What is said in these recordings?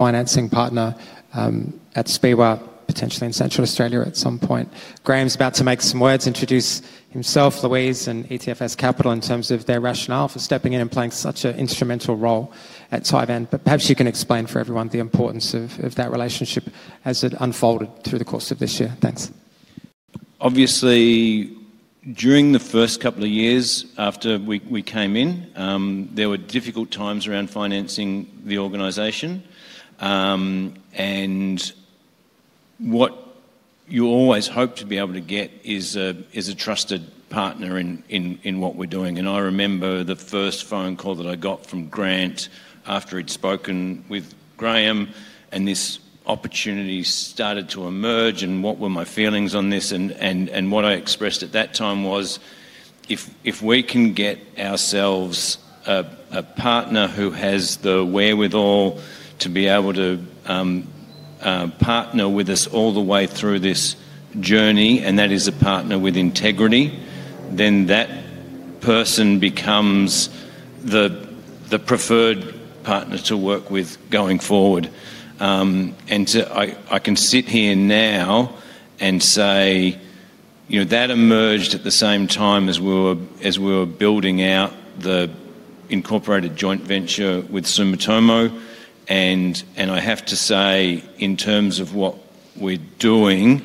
Financing partner at Speewah, potentially in Central Australia at some point. Graham's about to make some words, introduce himself, Louise, and ETFS Capital in terms of their rationale for stepping in and playing such an instrumental role at Tivan. Perhaps you can explain for everyone the importance of that relationship as it unfolded through the course of this year. Thanks. Obviously, during the first couple of years after we came in, there were difficult times around financing the organization. What you always hope to be able to get is a trusted partner in what we're doing. I remember the first phone call that I got from Grant after he'd spoken with Graham, and this opportunity started to emerge. What were my feelings on this? What I expressed at that time was, if we can get ourselves a partner who has the wherewithal to be able to partner with us all the way through this journey, and that is a partner with integrity, then that person becomes the preferred partner to work with going forward. I can sit here now and say, you know, that emerged at the same time as we were building out the incorporated joint venture with Sumitomo. I have to say, in terms of what we're doing,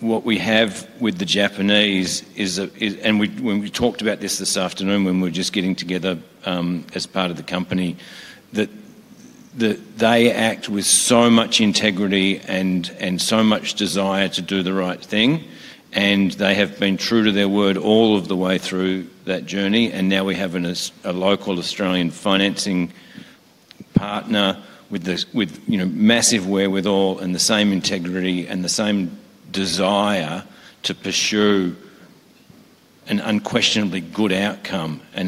what we have with the Japanese is—we talked about this this afternoon when we were just getting together as part of the company—that they act with so much integrity and so much desire to do the right thing. They have been true to their word all of the way through that journey. Now we have a local Australian financing partner with massive wherewithal and the same integrity and the same desire to pursue an unquestionably good outcome. I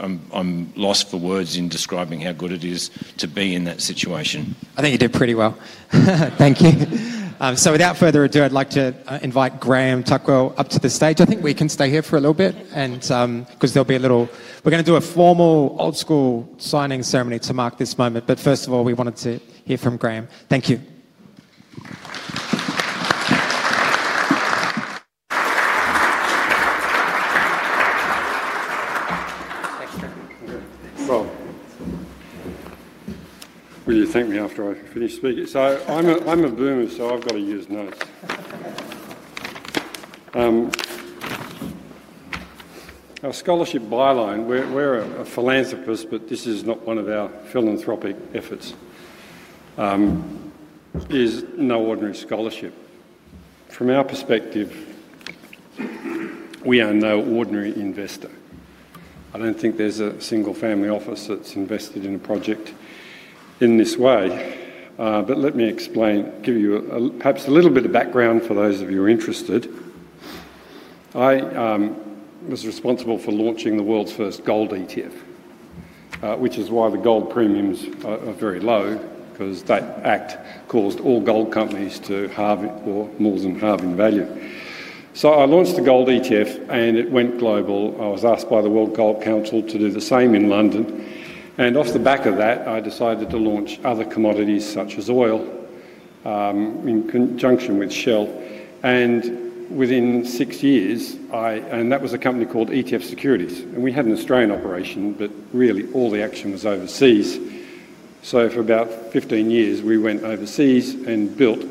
am lost for words in describing how good it is to be in that situation. I think you did pretty well. Thank you. Without further ado, I'd like to invite Graham Tuckwell up to the stage. I think we can stay here for a little bit because there'll be a little—we're going to do a formal old-school signing ceremony to mark this moment. First of all, we wanted to hear from Graham. Thank you. Will you thank me after I finish speaking? I'm a boomer, so I've got to use notes. Our scholarship by loan—we're a philanthropist, but this is not one of our philanthropic efforts—is no ordinary scholarship. From our perspective, we are no ordinary investor. I don't think there's a single family office that's invested in a project in this way. Let me explain, give you perhaps a little bit of background for those of you interested. I was responsible for launching the world's first gold ETF, which is why the gold premiums are very low, because that act caused all gold companies to more than halve in value. I launched the gold ETF, and it went global. I was asked by the World Gold Council to do the same in London. Off the back of that, I decided to launch other commodities such as oil in conjunction with Shell. Within six years—and that was a company called ETF Securities. We had an Australian operation, but really all the action was overseas. For about 15 years, we went overseas and built,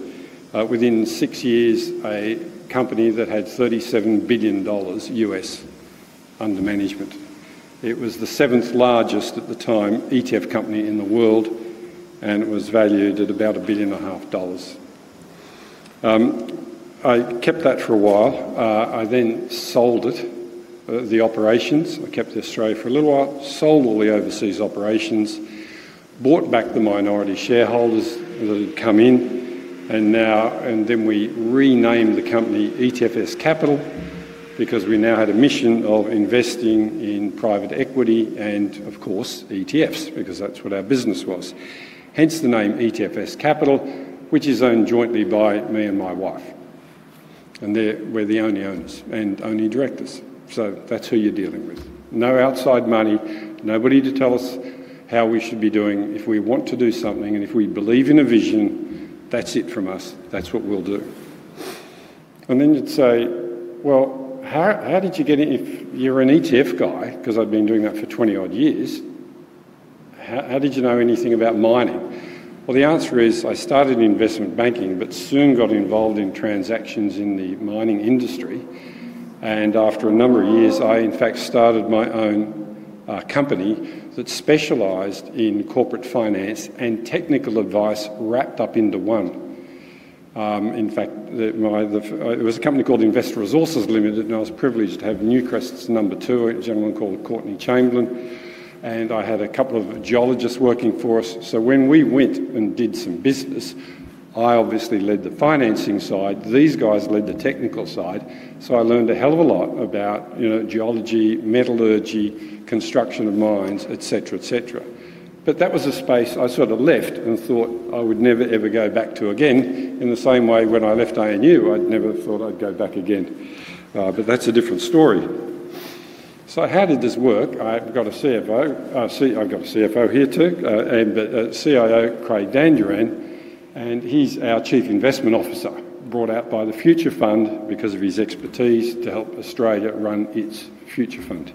within six years, a company that had $37 billion US under management. It was the seventh largest at the time ETF company in the world, and it was valued at about a billion and a half dollars. I kept that for a while. I then sold the operations. I kept the Australia for a little while, sold all the overseas operations, bought back the minority shareholders that had come in, and then we renamed the company ETFS Capital because we now had a mission of investing in private equity and, of course, ETFs, because that's what our business was. Hence the name ETFS Capital, which is owned jointly by me and my wife. We are the only owners and only directors. That is who you are dealing with. No outside money, nobody to tell us how we should be doing. If we want to do something and if we believe in a vision, that is it from us. That is what we will do. You would say, how did you get in if you are an ETF guy? Because I have been doing that for 20-odd years. How did you know anything about mining? I started in investment banking, but soon got involved in transactions in the mining industry. After a number of years, I in fact started my own company that specialised in corporate finance and technical advice wrapped up into one. In fact, it was a company called Investor Resources Limited, and I was privileged to have Newcrest's number two, a gentleman called Courtney Chamberlain. I had a couple of geologists working for us. When we went and did some business, I obviously led the financing side. These guys led the technical side. I learned a hell of a lot about geology, metallurgy, construction of mines, etc., etc. That was a space I sort of left and thought I would never, ever go back to again. In the same way, when I left ANU, I never thought I'd go back again. That's a different story. How did this work? I've got a CFO. I've got a CFO here too, CIO Craig Dandurand. He's our Chief Investment Officer, brought out by the Future Fund because of his expertise to help Australia run its Future Fund.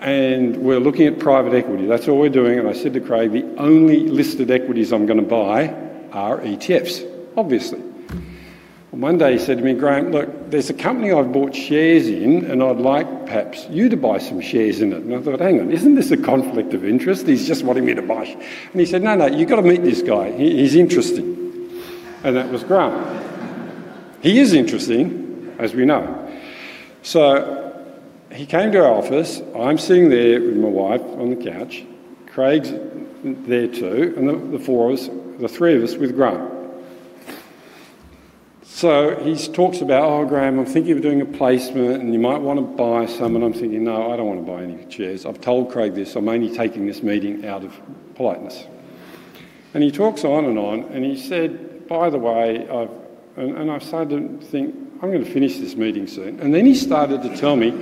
We're looking at private equity. That's all we're doing. I said to Craig, the only listed equities I'm going to buy are ETFs, obviously. One day he said to me, "Graham, look, there's a company I've bought shares in, and I'd like perhaps you to buy some shares in it." I thought, hang on, isn't this a conflict of interest? He's just wanting me to buy. He said, "No, no, you've got to meet this guy. He's interesting." That was Graham. He is interesting, as we know. He came to our office. I'm sitting there with my wife on the couch. Craig's there too. The four of us, the three of us with Graham. He talks about, "Oh, Graham, I'm thinking of doing a placement, and you might want to buy some." I'm thinking, "No, I don't want to buy any shares. I've told Craig this. I'm only taking this meeting out of politeness." He talks on and on. He said, "By the way," and I started to think, "I'm going to finish this meeting soon." He started to tell me,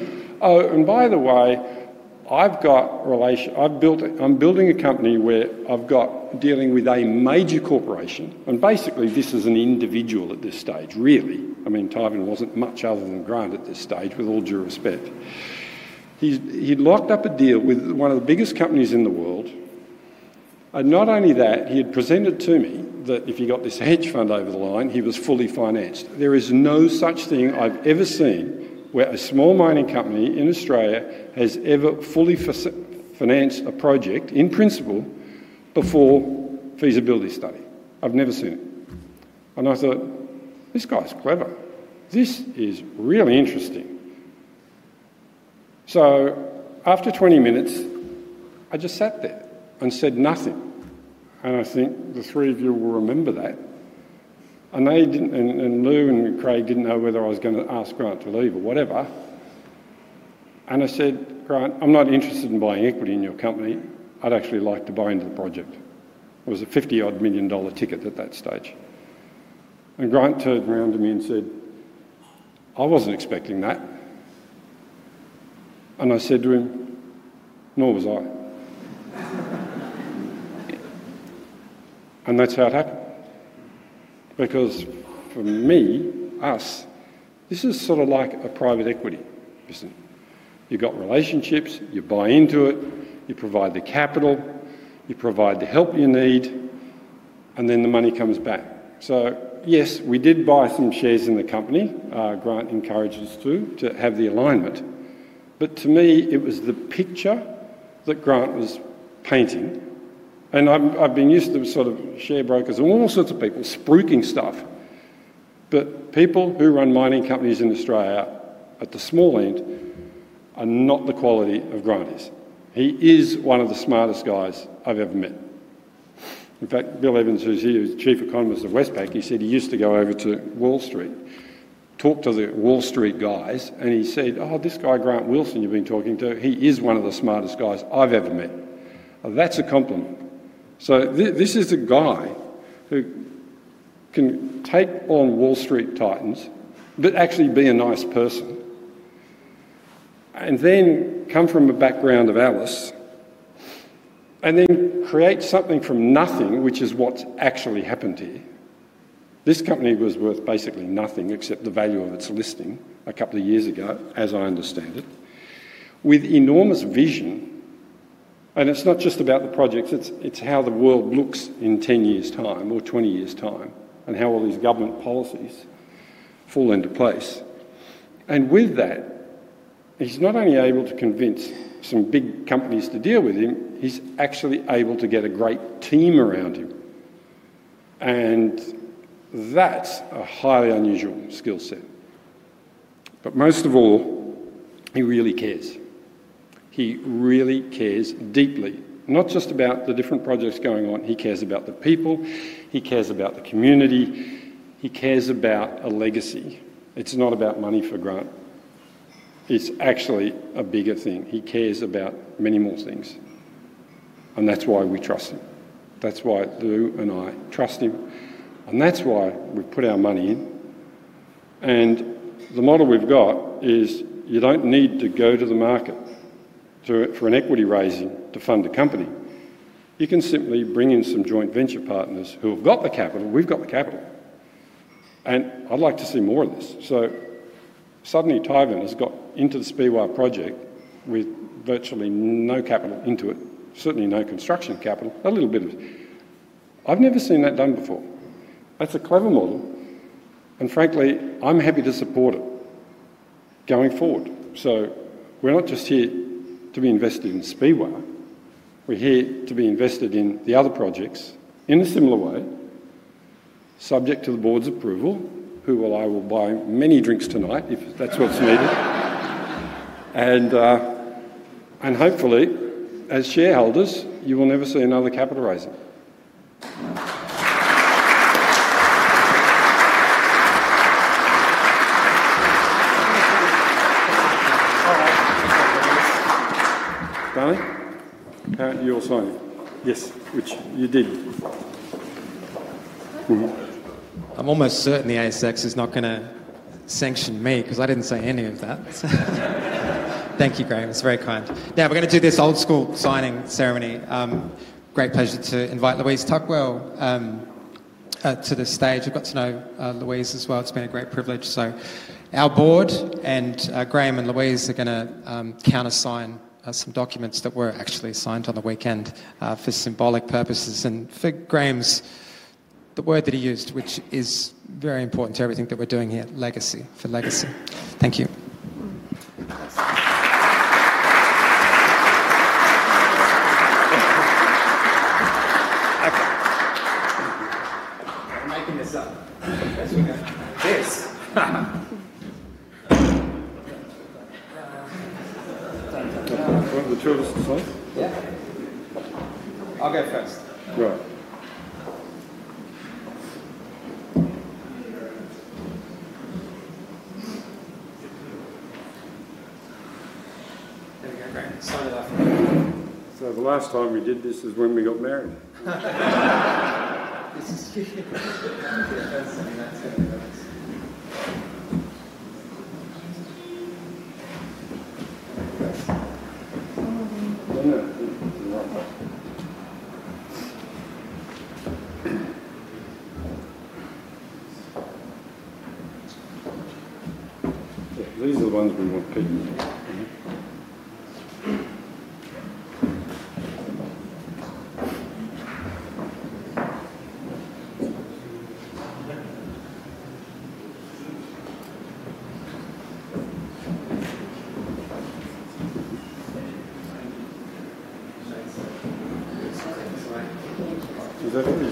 "Oh, and by the way, I've got relationships. I'm building a company where I've got dealing with a major corporation." Basically, this is an individual at this stage, really. I mean, Tivan wasn't much other than Grant at this stage, with all due respect. He'd locked up a deal with one of the biggest companies in the world. Not only that, he had presented to me that if he got this hedge fund over the line, he was fully financed. There is no such thing I've ever seen where a small mining company in Australia has ever fully financed a project, in principle, before feasibility study. I've never seen it. I thought, "This guy's clever. This is really interesting." After 20 minutes, I just sat there and said nothing. I think the three of you will remember that. Lou and Craig did not know whether I was going to ask Grant to leave or whatever. I said, "Graham, I'm not interested in buying equity in your company. I'd actually like to buy into the project." It was an 50 million dollar-odd ticket at that stage. Grant turned around to me and said, "I wasn't expecting that." I said to him, "Nor was I." That is how it happened. For me, us, this is sort of like a private equity, isn't it? You've got relationships, you buy into it, you provide the capital, you provide the help you need, and then the money comes back. Yes, we did buy some shares in the company. Grant encouraged us to have the alignment. To me, it was the picture that Grant was painting. I've been used to sort of share brokers and all sorts of people spooking stuff. People who run mining companies in Australia at the small end are not the quality Grant is. He is one of the smartest guys I've ever met. In fact, Bill Evans, who's here, who's Chief Economist of Westpac, he said he used to go over to Wall Street, talk to the Wall Street guys, and he said, "Oh, this guy, Grant Wilson, you've been talking to, he is one of the smartest guys I've ever met." That's a compliment. This is a guy who can take on Wall Street titans, but actually be a nice person, and then come from a background of Alice, and then create something from nothing, which is what's actually happened here. This company was worth basically nothing except the value of its listing a couple of years ago, as I understand it, with enormous vision. It's not just about the projects. It's how the world looks in 10 years' time or 20 years' time and how all these government policies fall into place. With that, he's not only able to convince some big companies to deal with him, he's actually able to get a great team around him. That's a highly unusual skill set. Most of all, he really cares. He really cares deeply, not just about the different projects going on. He cares about the people. He cares about the community. He cares about a legacy. It's not about money for Grant. It's actually a bigger thing. He cares about many more things. That's why we trust him. That's why Lou and I trust him. That's why we put our money in. The model we've got is you don't need to go to the market for an equity raising to fund a company. You can simply bring in some joint venture partners who have got the capital. We've got the capital. I'd like to see more of this. Suddenly, Tivan has got into the Speewah project with virtually no capital into it, certainly no construction capital, a little bit of it. I've never seen that done before. That's a clever model. Frankly, I'm happy to support it going forward. We're not just here to be invested in Speewah. We're here to be invested in the other projects in a similar way, subject to the board's approval, who I will buy many drinks tonight if that's what's needed. Hopefully, as shareholders, you will never see another capital raising. Danny, you're signing. Yes, which you did. I'm almost certain the ASX is not going to sanction me because I didn't say any of that. Thank you, Graham. It's very kind. Now we're going to do this old-school signing ceremony. Great pleasure to invite Louise Tuckwell to the stage. I've got to know Louise as well. It's been a great privilege. Our board and Graham and Louise are going to countersign some documents that were actually signed on the weekend for symbolic purposes. For Graham's, the word that he used, which is very important to everything that we're doing here, legacy for legacy. Thank you. I'm making this up. This. One of the children to sign? Yeah. I'll go first. Right. There we go. Great. Sign it off. The last time we did this is when we got married.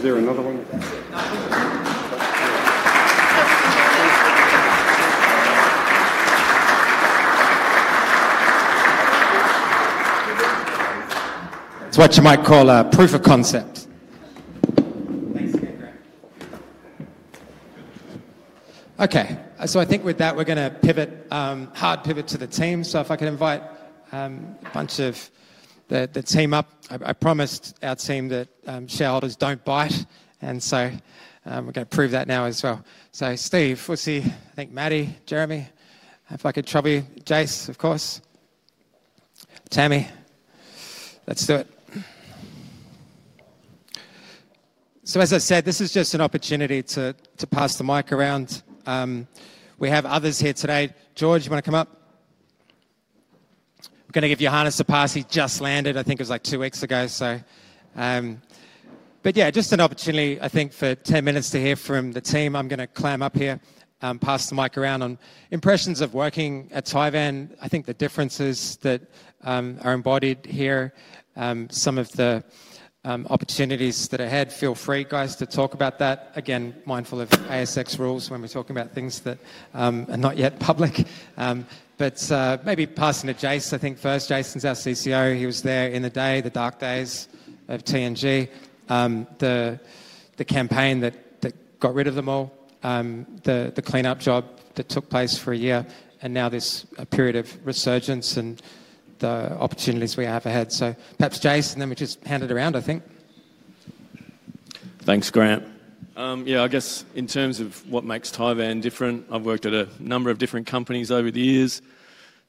Yeah, these are the ones we want people. Is there another one? It's what you might call a proof of concept. Thanks again, Graham. Okay. I think with that, we're going to pivot, hard pivot to the team. If I could invite a bunch of the team up. I promised our team that shareholders don't bite. We're going to prove that now as well. Steve, we'll see. I think Maddie, Jeremy, if I could trouble you. Jace, of course. Tammie, let's do it. As I said, this is just an opportunity to pass the mic around. We have others here today. George, you want to come up? We're going to give you a harness to pass. He just landed. I think it was like two weeks ago. Just an opportunity, I think, for 10 minutes to hear from the team. I'm going to clam up here, pass the mic around on impressions of working at Tivan. I think the differences that are embodied here, some of the opportunities that I had. Feel free, guys, to talk about that. Again, mindful of ASX rules when we're talking about things that are not yet public. Maybe passing to Jace, I think first. Jace is our CCO. He was there in the day, the dark days of TNG, the campaign that got rid of them all, the cleanup job that took place for a year, and now this period of resurgence and the opportunities we have ahead. Perhaps Jace, and then we just hand it around, I think. Thanks, Grant. Yeah, I guess in terms of what makes Tivan different, I've worked at a number of different companies over the years.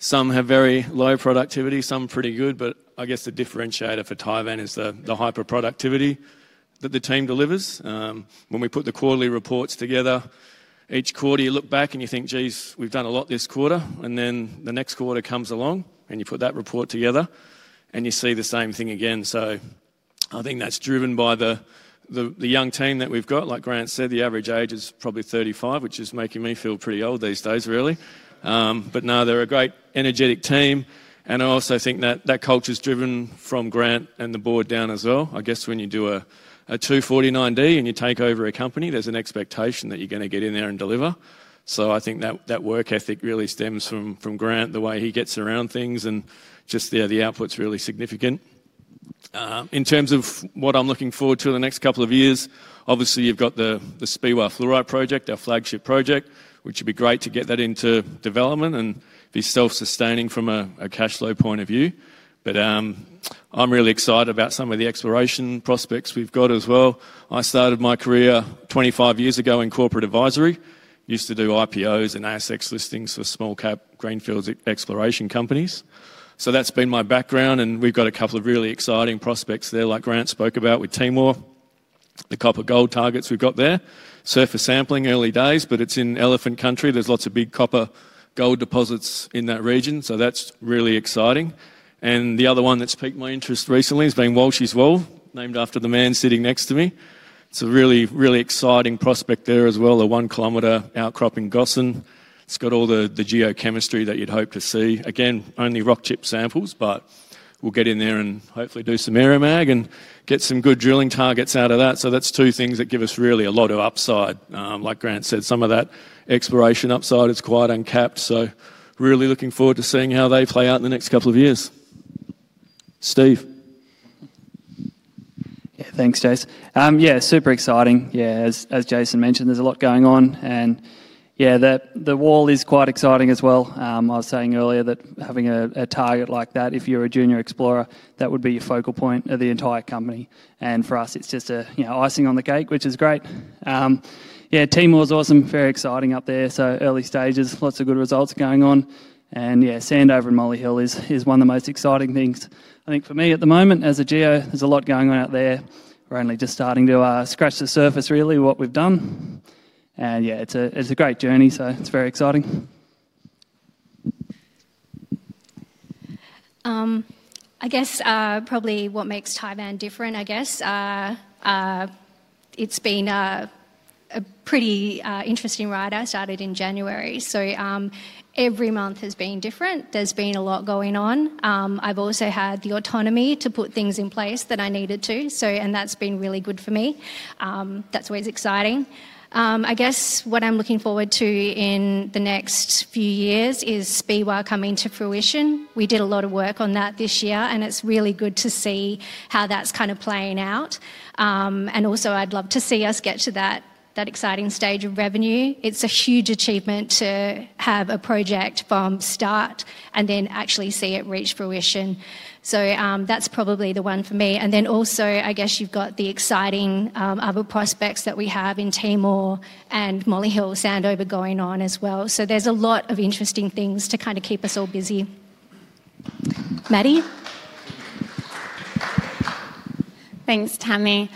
Some have very low productivity, some pretty good. I guess the differentiator for Tivan is the hyper productivity that the team delivers. When we put the quarterly reports together, each quarter, you look back and you think, "Geez, we've done a lot this quarter." The next quarter comes along and you put that report together and you see the same thing again. I think that's driven by the young team that we've got. Like Grant said, the average age is probably 35, which is making me feel pretty old these days, really. They're a great energetic team. I also think that that culture is driven from Grant and the board down as well. I guess when you do a 249D and you take over a company, there's an expectation that you're going to get in there and deliver. I think that work ethic really stems from Grant, the way he gets around things. The output's really significant. In terms of what I'm looking forward to in the next couple of years, obviously you've got the Speewah Fluorite Project, our flagship project, which would be great to get that into development and be self-sustaining from a cash flow point of view. I'm really excited about some of the exploration prospects we've got as well. I started my career 25 years ago in corporate advisory. Used to do IPOs and ASX listings for small-cap greenfield exploration companies. That's been my background. We have a couple of really exciting prospects there, like Grant spoke about with Timor, the copper gold targets we have there, surface sampling early days, but it is in elephant country. There are lots of big copper gold deposits in that region. That is really exciting. The other one that has piqued my interest recently has been Walsh's Wall, named after the man sitting next to me. It is a really, really exciting prospect there as well, a one-kilometer outcrop in Gossan. It has all the geochemistry that you would hope to see. Again, only rock chip samples, but we will get in there and hopefully do some aeromag and get some good drilling targets out of that. Those are two things that give us really a lot of upside. Like Graham said, some of that exploration upside is quite uncapped. Really looking forward to seeing how they play out in the next couple of years. Steve. Yeah, thanks, Jace. Yeah, super exciting. Yeah, as Jace had mentioned, there's a lot going on. Yeah, the wall is quite exciting as well. I was saying earlier that having a target like that, if you're a junior explorer, that would be your focal point of the entire company. For us, it's just icing on the cake, which is great. Yeah, Timor is awesome, very exciting up there. Early stages, lots of good results going on. Yeah, Sandover and Molly Hill is one of the most exciting things, I think, for me at the moment as a geo. There's a lot going on out there. We're only just starting to scratch the surface, really, what we've done. Yeah, it's a great journey. It's very exciting. I guess probably what makes Tivan different, I guess, it's been a pretty interesting ride. I started in January. Every month has been different. There's been a lot going on. I've also had the autonomy to put things in place that I needed to. That's been really good for me. That's always exciting. I guess what I'm looking forward to in the next few years is Speewah coming to fruition. We did a lot of work on that this year. It's really good to see how that's kind of playing out. Also, I'd love to see us get to that exciting stage of revenue. It's a huge achievement to have a project from start and then actually see it reach fruition. That's probably the one for me. I guess you've got the exciting other prospects that we have in Timor and Molly Hill, Sandover going on as well. There is a lot of interesting things to kind of keep us all busy. Maddie. Thanks, Tammie.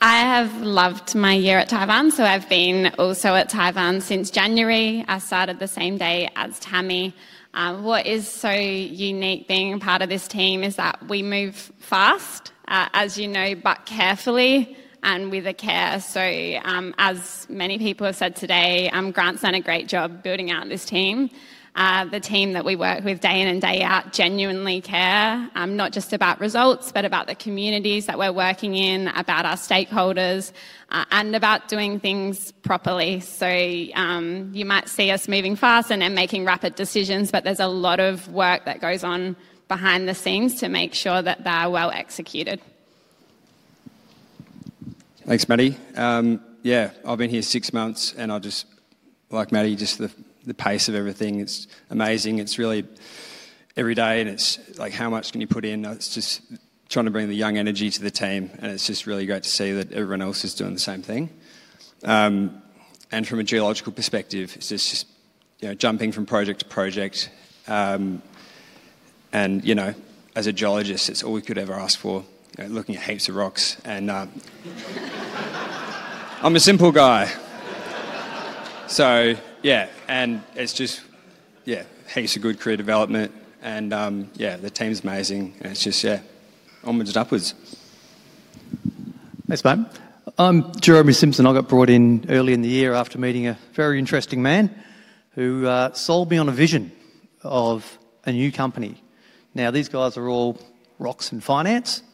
I have loved my year at Tivan. I have been also at Tivan since January. I started the same day as Tammie. What is so unique being a part of this team is that we move fast, as you know, but carefully and with a care. As many people have said today, Grant's done a great job building out this team. The team that we work with day in and day out genuinely care, not just about results, but about the communities that we are working in, about our stakeholders, and about doing things properly. You might see us moving fast and then making rapid decisions, but there is a lot of work that goes on behind the scenes to make sure that they are well executed. Thanks, Maddie. Yeah, I've been here six months. I just, like Maddie, just the pace of everything is amazing. It's really every day. It's like, how much can you put in? It's just trying to bring the young energy to the team. It's really great to see that everyone else is doing the same thing. From a geological perspective, it's just jumping from project to project. As a geologist, it's all we could ever ask for, looking at heaps of rocks. I'm a simple guy. Yeah, heaps of good career development. The team's amazing. Yeah, onwards and upwards. Thanks, mate. I'm Jeremy Simpson. I got brought in early in the year after meeting a very interesting man who sold me on a vision of a new company. Now, these guys are all rocks in finance.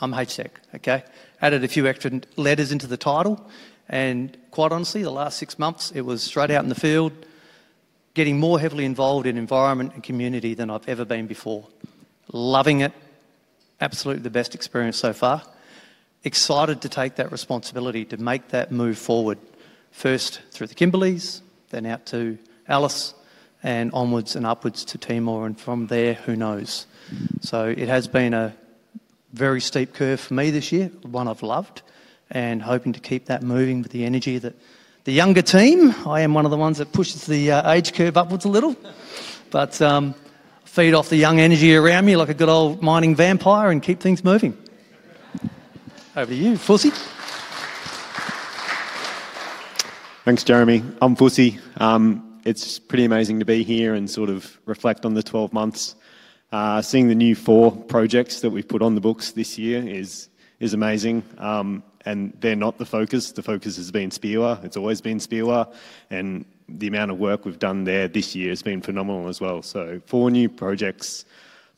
I'm H Tech, okay? Added a few extra letters into the title. Quite honestly, the last six months, it was straight out in the field, getting more heavily involved in environment and community than I've ever been before. Loving it. Absolutely the best experience so far. Excited to take that responsibility to make that move forward, first through the Kimberley, then out to Alice, and onwards and upwards to Timor, and from there, who knows? It has been a very steep curve for me this year, one I've loved, and hoping to keep that moving with the energy that the younger team. I am one of the ones that pushes the age curve upwards a little. I feed off the young energy around me like a good old mining vampire and keep things moving. Over to you, Fussy. Thanks, Jeremy. I'm Fussy. It's pretty amazing to be here and sort of reflect on the 12 months. Seeing the new four projects that we've put on the books this year is amazing. They are not the focus. The focus has been Speewah. It's always been Speewah. The amount of work we've done there this year has been phenomenal as well. Four new projects,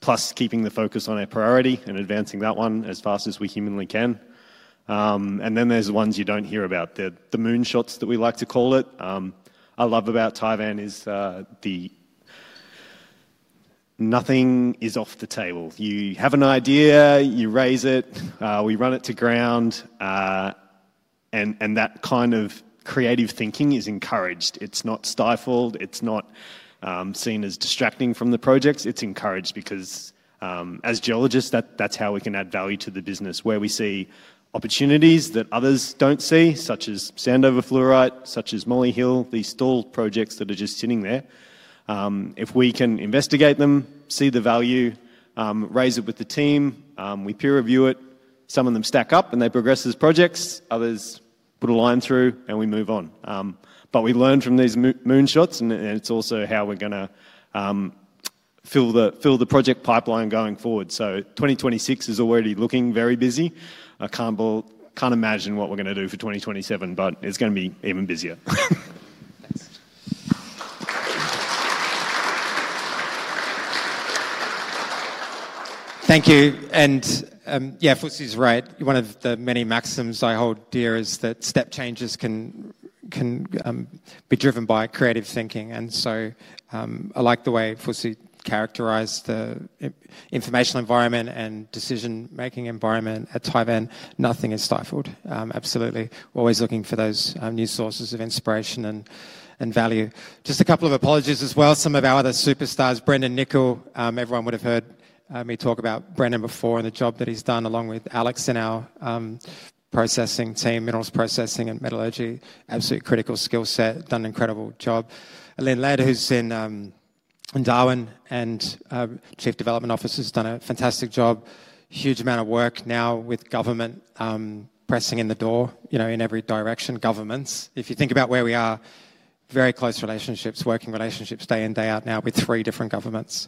plus keeping the focus on our priority and advancing that one as fast as we humanly can. There are the ones you don't hear about, the moon shots that we like to call it. What I love about Tivan is that nothing is off the table. You have an idea, you raise it, we run it to ground. That kind of creative thinking is encouraged. It's not stifled. It's not seen as distracting from the projects. It's encouraged because as geologists, that's how we can add value to the business, where we see opportunities that others don't see, such as Sandover Fluoride, such as Molly Hill, these stall projects that are just sitting there. If we can investigate them, see the value, raise it with the team, we peer review it, some of them stack up and they progress as projects, others put a line through and we move on. We learn from these moon shots. It's also how we're going to fill the project pipeline going forward. 2026 is already looking very busy. I can't imagine what we're going to do for 2027, but it's going to be even busier. Thanks. Thank you. Fussy's right. One of the many maxims I hold dear is that step changes can be driven by creative thinking. I like the way Fussy characterized the information environment and decision-making environment at Tivan. Nothing is stifled. Absolutely. We're always looking for those new sources of inspiration and value. Just a couple of apologies as well. Some of our other superstars, Brendan Nickel, everyone would have heard me talk about Brendan before and the job that he's done along with Alex in our processing team, minerals processing and metallurgy, absolutely critical skill set, done an incredible job. Elin Ladd, who's in Darwin and Chief Development Officer, has done a fantastic job. Huge amount of work now with government pressing in the door in every direction, governments. If you think about where we are, very close relationships, working relationships day in, day out now with three different governments,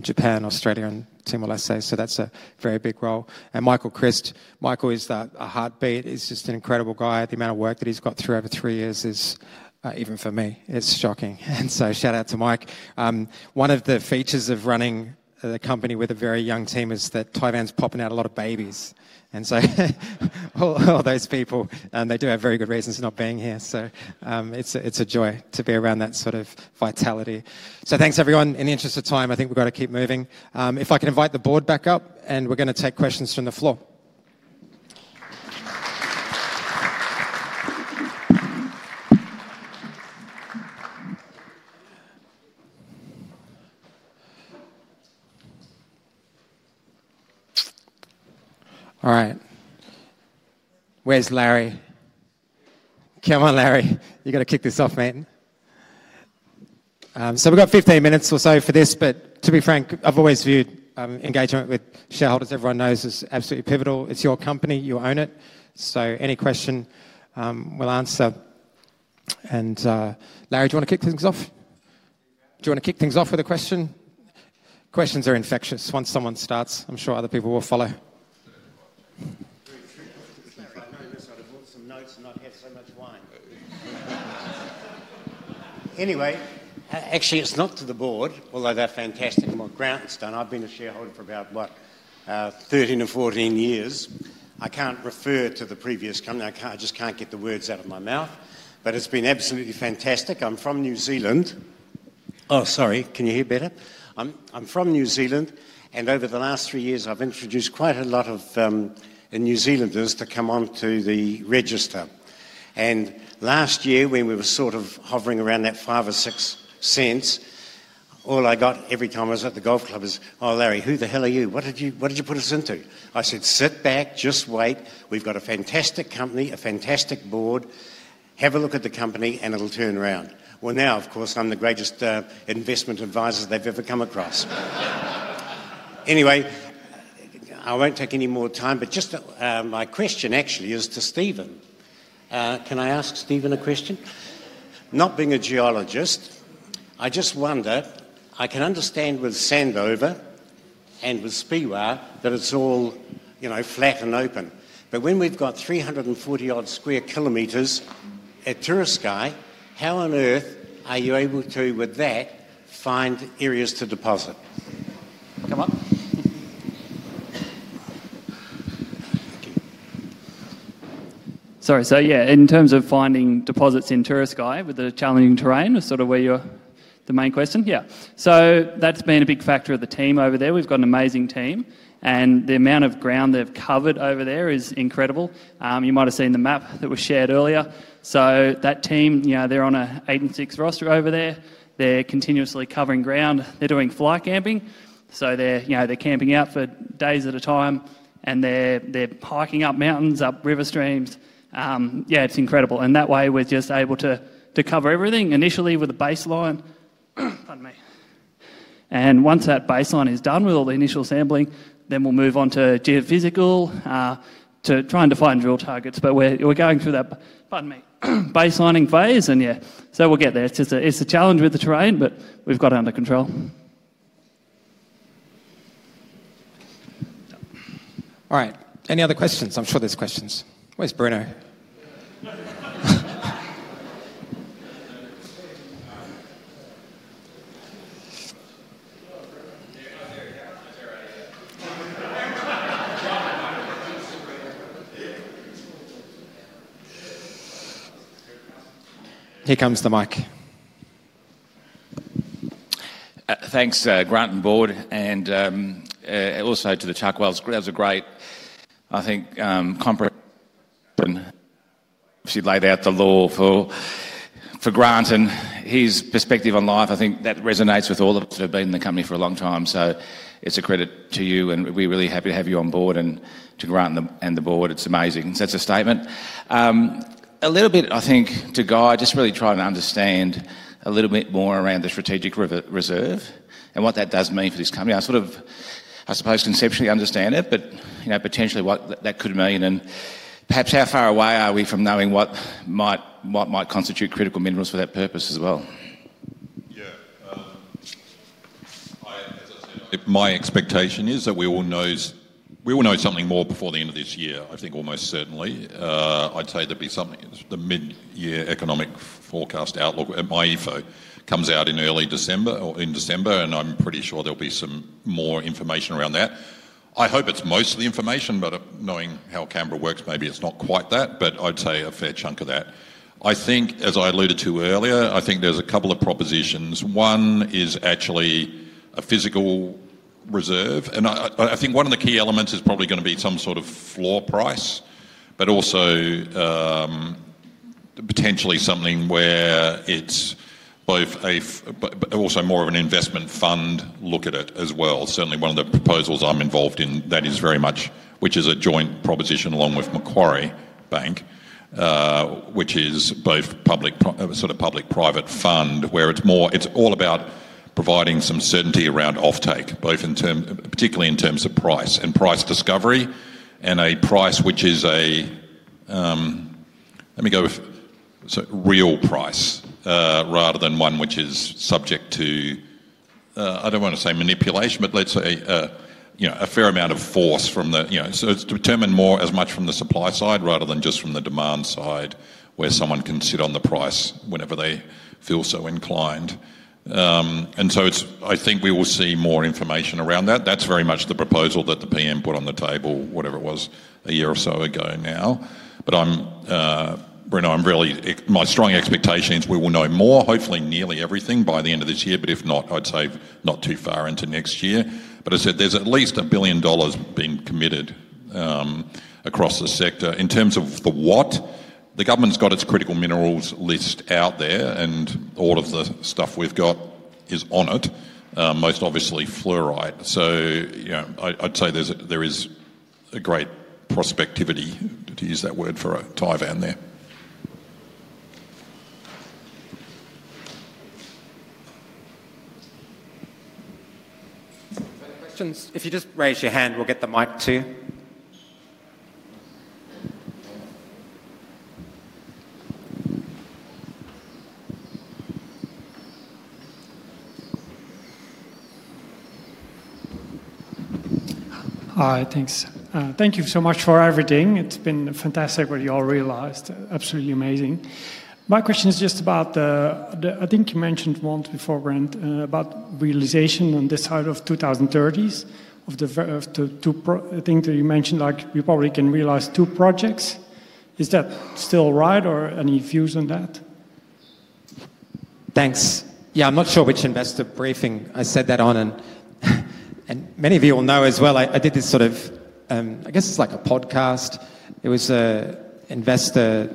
Japan, Australia, and Timor-Leste. That is a very big role. And Michael Christ, Michael is a heartbeat. He is just an incredible guy. The amount of work that he has got through over three years is, even for me, it is shocking. Shout out to Mike. One of the features of running the company with a very young team is that Tivan's popping out a lot of babies. All those people, they do have very good reasons not being here. It is a joy to be around that sort of vitality. Thanks, everyone. In the interest of time, I think we have got to keep moving. If I can invite the board back up, we are going to take questions from the floor. All right. Where is Larry? Come on, Larry. You've got to kick this off, mate. We have 15 minutes or so for this. To be frank, I've always viewed engagement with shareholders, everyone knows, as absolutely pivotal. It's your company. You own it. Any question, we'll answer. Larry, do you want to kick things off? Do you want to kick things off with a question? Questions are infectious once someone starts. I'm sure other people will follow. Sorry, I know you're sort of wanting some notes and not have so much wine. Anyway, actually, it's not to the board, although they're fantastic. My grant's done. I've been a shareholder for about, what, 13 or 14 years. I can't refer to the previous company. I just can't get the words out of my mouth. It's been absolutely fantastic. I'm from New Zealand. Oh, sorry. Can you hear better? I'm from New Zealand. Over the last three years, I've introduced quite a lot of New Zealanders to come on to the register. Last year, when we were sort of hovering around that $0.05 or $0.06, all I got every time I was at the golf club is, "Oh, Larry, who the hell are you? What did you put us into?" I said, "Sit back, just wait. We've got a fantastic company, a fantastic board. Have a look at the company and it'll turn around. Now, of course, I'm the greatest investment advisor they've ever come across. Anyway, I won't take any more time. Just my question, actually, is to Steve. Can I ask Steve a question? Not being a geologist, I just wonder, I can understand with Sandover and with Speewah that it's all flat and open. When we've got 340-odd sq km at Turiscai, how on earth are you able to, with that, find areas to deposit? Come on. Sorry. Yeah, in terms of finding deposits in Turiscai with the challenging terrain, is that sort of where your main question is? Yeah. That has been a big factor for the team over there. We've got an amazing team, and the amount of ground they've covered over there is incredible. You might have seen the map that was shared earlier. That team, they're on an eight and six roster over there. They're continuously covering ground. They're doing fly camping, so they're camping out for days at a time, and they're hiking up mountains, up river streams. Yeah, it's incredible. That way, we're just able to cover everything initially with a baseline. Pardon me. Once that baseline is done with all the initial sampling, then we'll move on to geophysical to try and define drill targets. We're going through that, pardon me, baselining phase. Yeah, we'll get there. It's a challenge with the terrain, but we've got it under control. All right. Any other questions? I'm sure there's questions. Where's Bruno? Here comes the mic. Thanks, Grant and board. Also to the Chuck Wells group. That was a great, I think, comprehensive presentation. She laid out the law for Grant and his perspective on life. I think that resonates with all of us who have been in the company for a long time. It is a credit to you. We are really happy to have you on board and to Grant and the board. It is amazing. It is such a statement. A little bit, I think, to guide, just really trying to understand a little bit more around the strategic reserve and what that does mean for this company. I sort of, I suppose, conceptually understand it, but potentially what that could mean. Perhaps how far away are we from knowing what might constitute critical minerals for that purpose as well? Yeah. As I said, my expectation is that we all know something more before the end of this year, I think almost certainly. I'd say there'll be something in the mid-year economic forecast outlook, and MYEFO comes out in early December or in December. I'm pretty sure there'll be some more information around that. I hope it's most of the information, but knowing how Canberra works, maybe it's not quite that. I'd say a fair chunk of that. I think, as I alluded to earlier, I think there's a couple of propositions. One is actually a physical reserve. I think one of the key elements is probably going to be some sort of floor price, but also potentially something where it's both a, but also more of an investment fund look at it as well. Certainly, one of the proposals I'm involved in that is very much, which is a joint proposition along with Macquarie Bank, which is both sort of public-private fund, where it's all about providing some certainty around offtake, both in terms, particularly in terms of price and price discovery and a price which is a, let me go with real price rather than one which is subject to, I don't want to say manipulation, but let's say a fair amount of force from the, so it's determined more as much from the supply side rather than just from the demand side where someone can sit on the price whenever they feel so inclined. I think we will see more information around that. That's very much the proposal that the PM put on the table, whatever it was, a year or so ago now. Bruno, my strong expectation is we will know more, hopefully nearly everything by the end of this year. If not, I'd say not too far into next year. As I said, there is at least $1 billion being committed across the sector. In terms of the what, the government's got its critical minerals list out there. All of the stuff we've got is on it, most obviously fluorite. I'd say there is a great prospectivity, to use that word for Tivan there. Questions? If you just raise your hand, we'll get the mic to you. Hi. Thanks. Thank you so much for everything. It's been fantastic what you all realized. Absolutely amazing. My question is just about the, I think you mentioned once before, Brent, about realization on this side of 2030s of the two things that you mentioned, like we probably can realize two projects. Is that still right or any views on that? Thanks. Yeah, I'm not sure which investor briefing I said that on. Many of you will know as well, I did this sort of, I guess it's like a podcast. It was an investor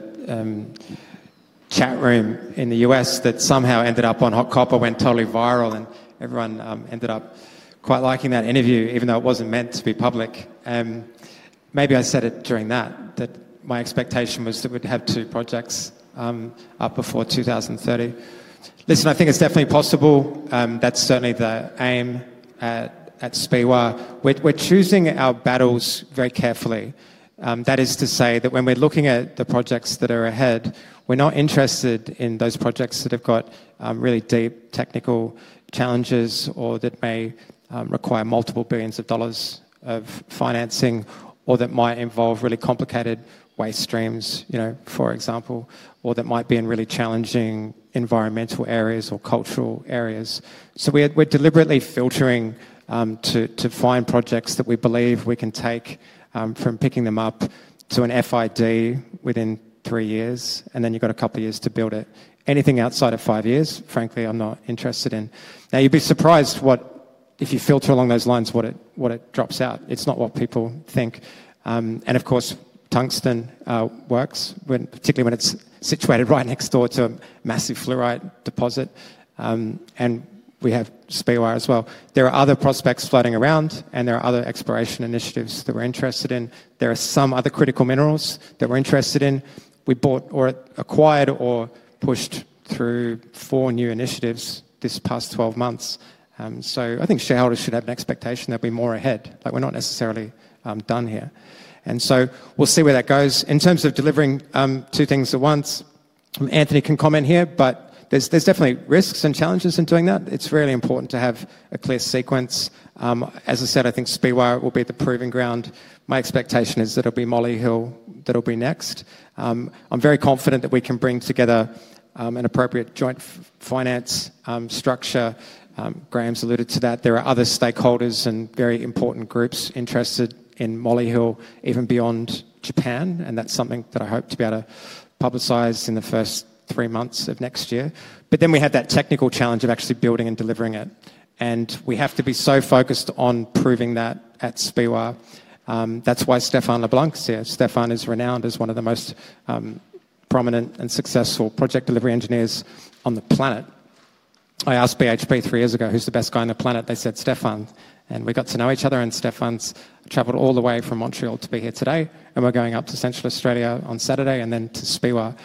chat room in the U.S. that somehow ended up on Hot Copper and went totally viral. Everyone ended up quite liking that interview, even though it wasn't meant to be public. Maybe I said it during that, that my expectation was that we'd have two projects up before 2030. Listen, I think it's definitely possible. That's certainly the aim at Speewah. We're choosing our battles very carefully. That is to say that when we're looking at the projects that are ahead, we're not interested in those projects that have got really deep technical challenges or that may require multiple billions of dollars of financing or that might involve really complicated waste streams, for example, or that might be in really challenging environmental areas or cultural areas. We're deliberately filtering to find projects that we believe we can take from picking them up to an FID within three years. You have a couple of years to build it. Anything outside of five years, frankly, I'm not interested in. You'd be surprised if you filter along those lines what it drops out. It's not what people think. Of course, Tungsten works, particularly when it's situated right next door to a massive fluorite deposit. We have Speewah as well. There are other prospects floating around, and there are other exploration initiatives that we're interested in. There are some other critical minerals that we're interested in. We bought or acquired or pushed through four new initiatives this past 12 months. I think shareholders should have an expectation that we're more ahead. We're not necessarily done here. We will see where that goes. In terms of delivering two things at once, Anthony can comment here, but there's definitely risks and challenges in doing that. It's really important to have a clear sequence. As I said, I think Speewah will be the proving ground. My expectation is that it will be Molly Hill that will be next. I'm very confident that we can bring together an appropriate joint finance structure. Graham's alluded to that. There are other stakeholders and very important groups interested in Molly Hill, even beyond Japan. That is something that I hope to be able to publicize in the first three months of next year. We have that technical challenge of actually building and delivering it. We have to be so focused on proving that at Speewah. That is why Stefan LeBlanc is here. Stefan is renowned as one of the most prominent and successful project delivery engineers on the planet. I asked BHP three years ago, who's the best guy on the planet? They said Stefan. We got to know each other. Stefan has traveled all the way from Montreal to be here today. We are going up to Central Australia on Saturday and then to Speewah.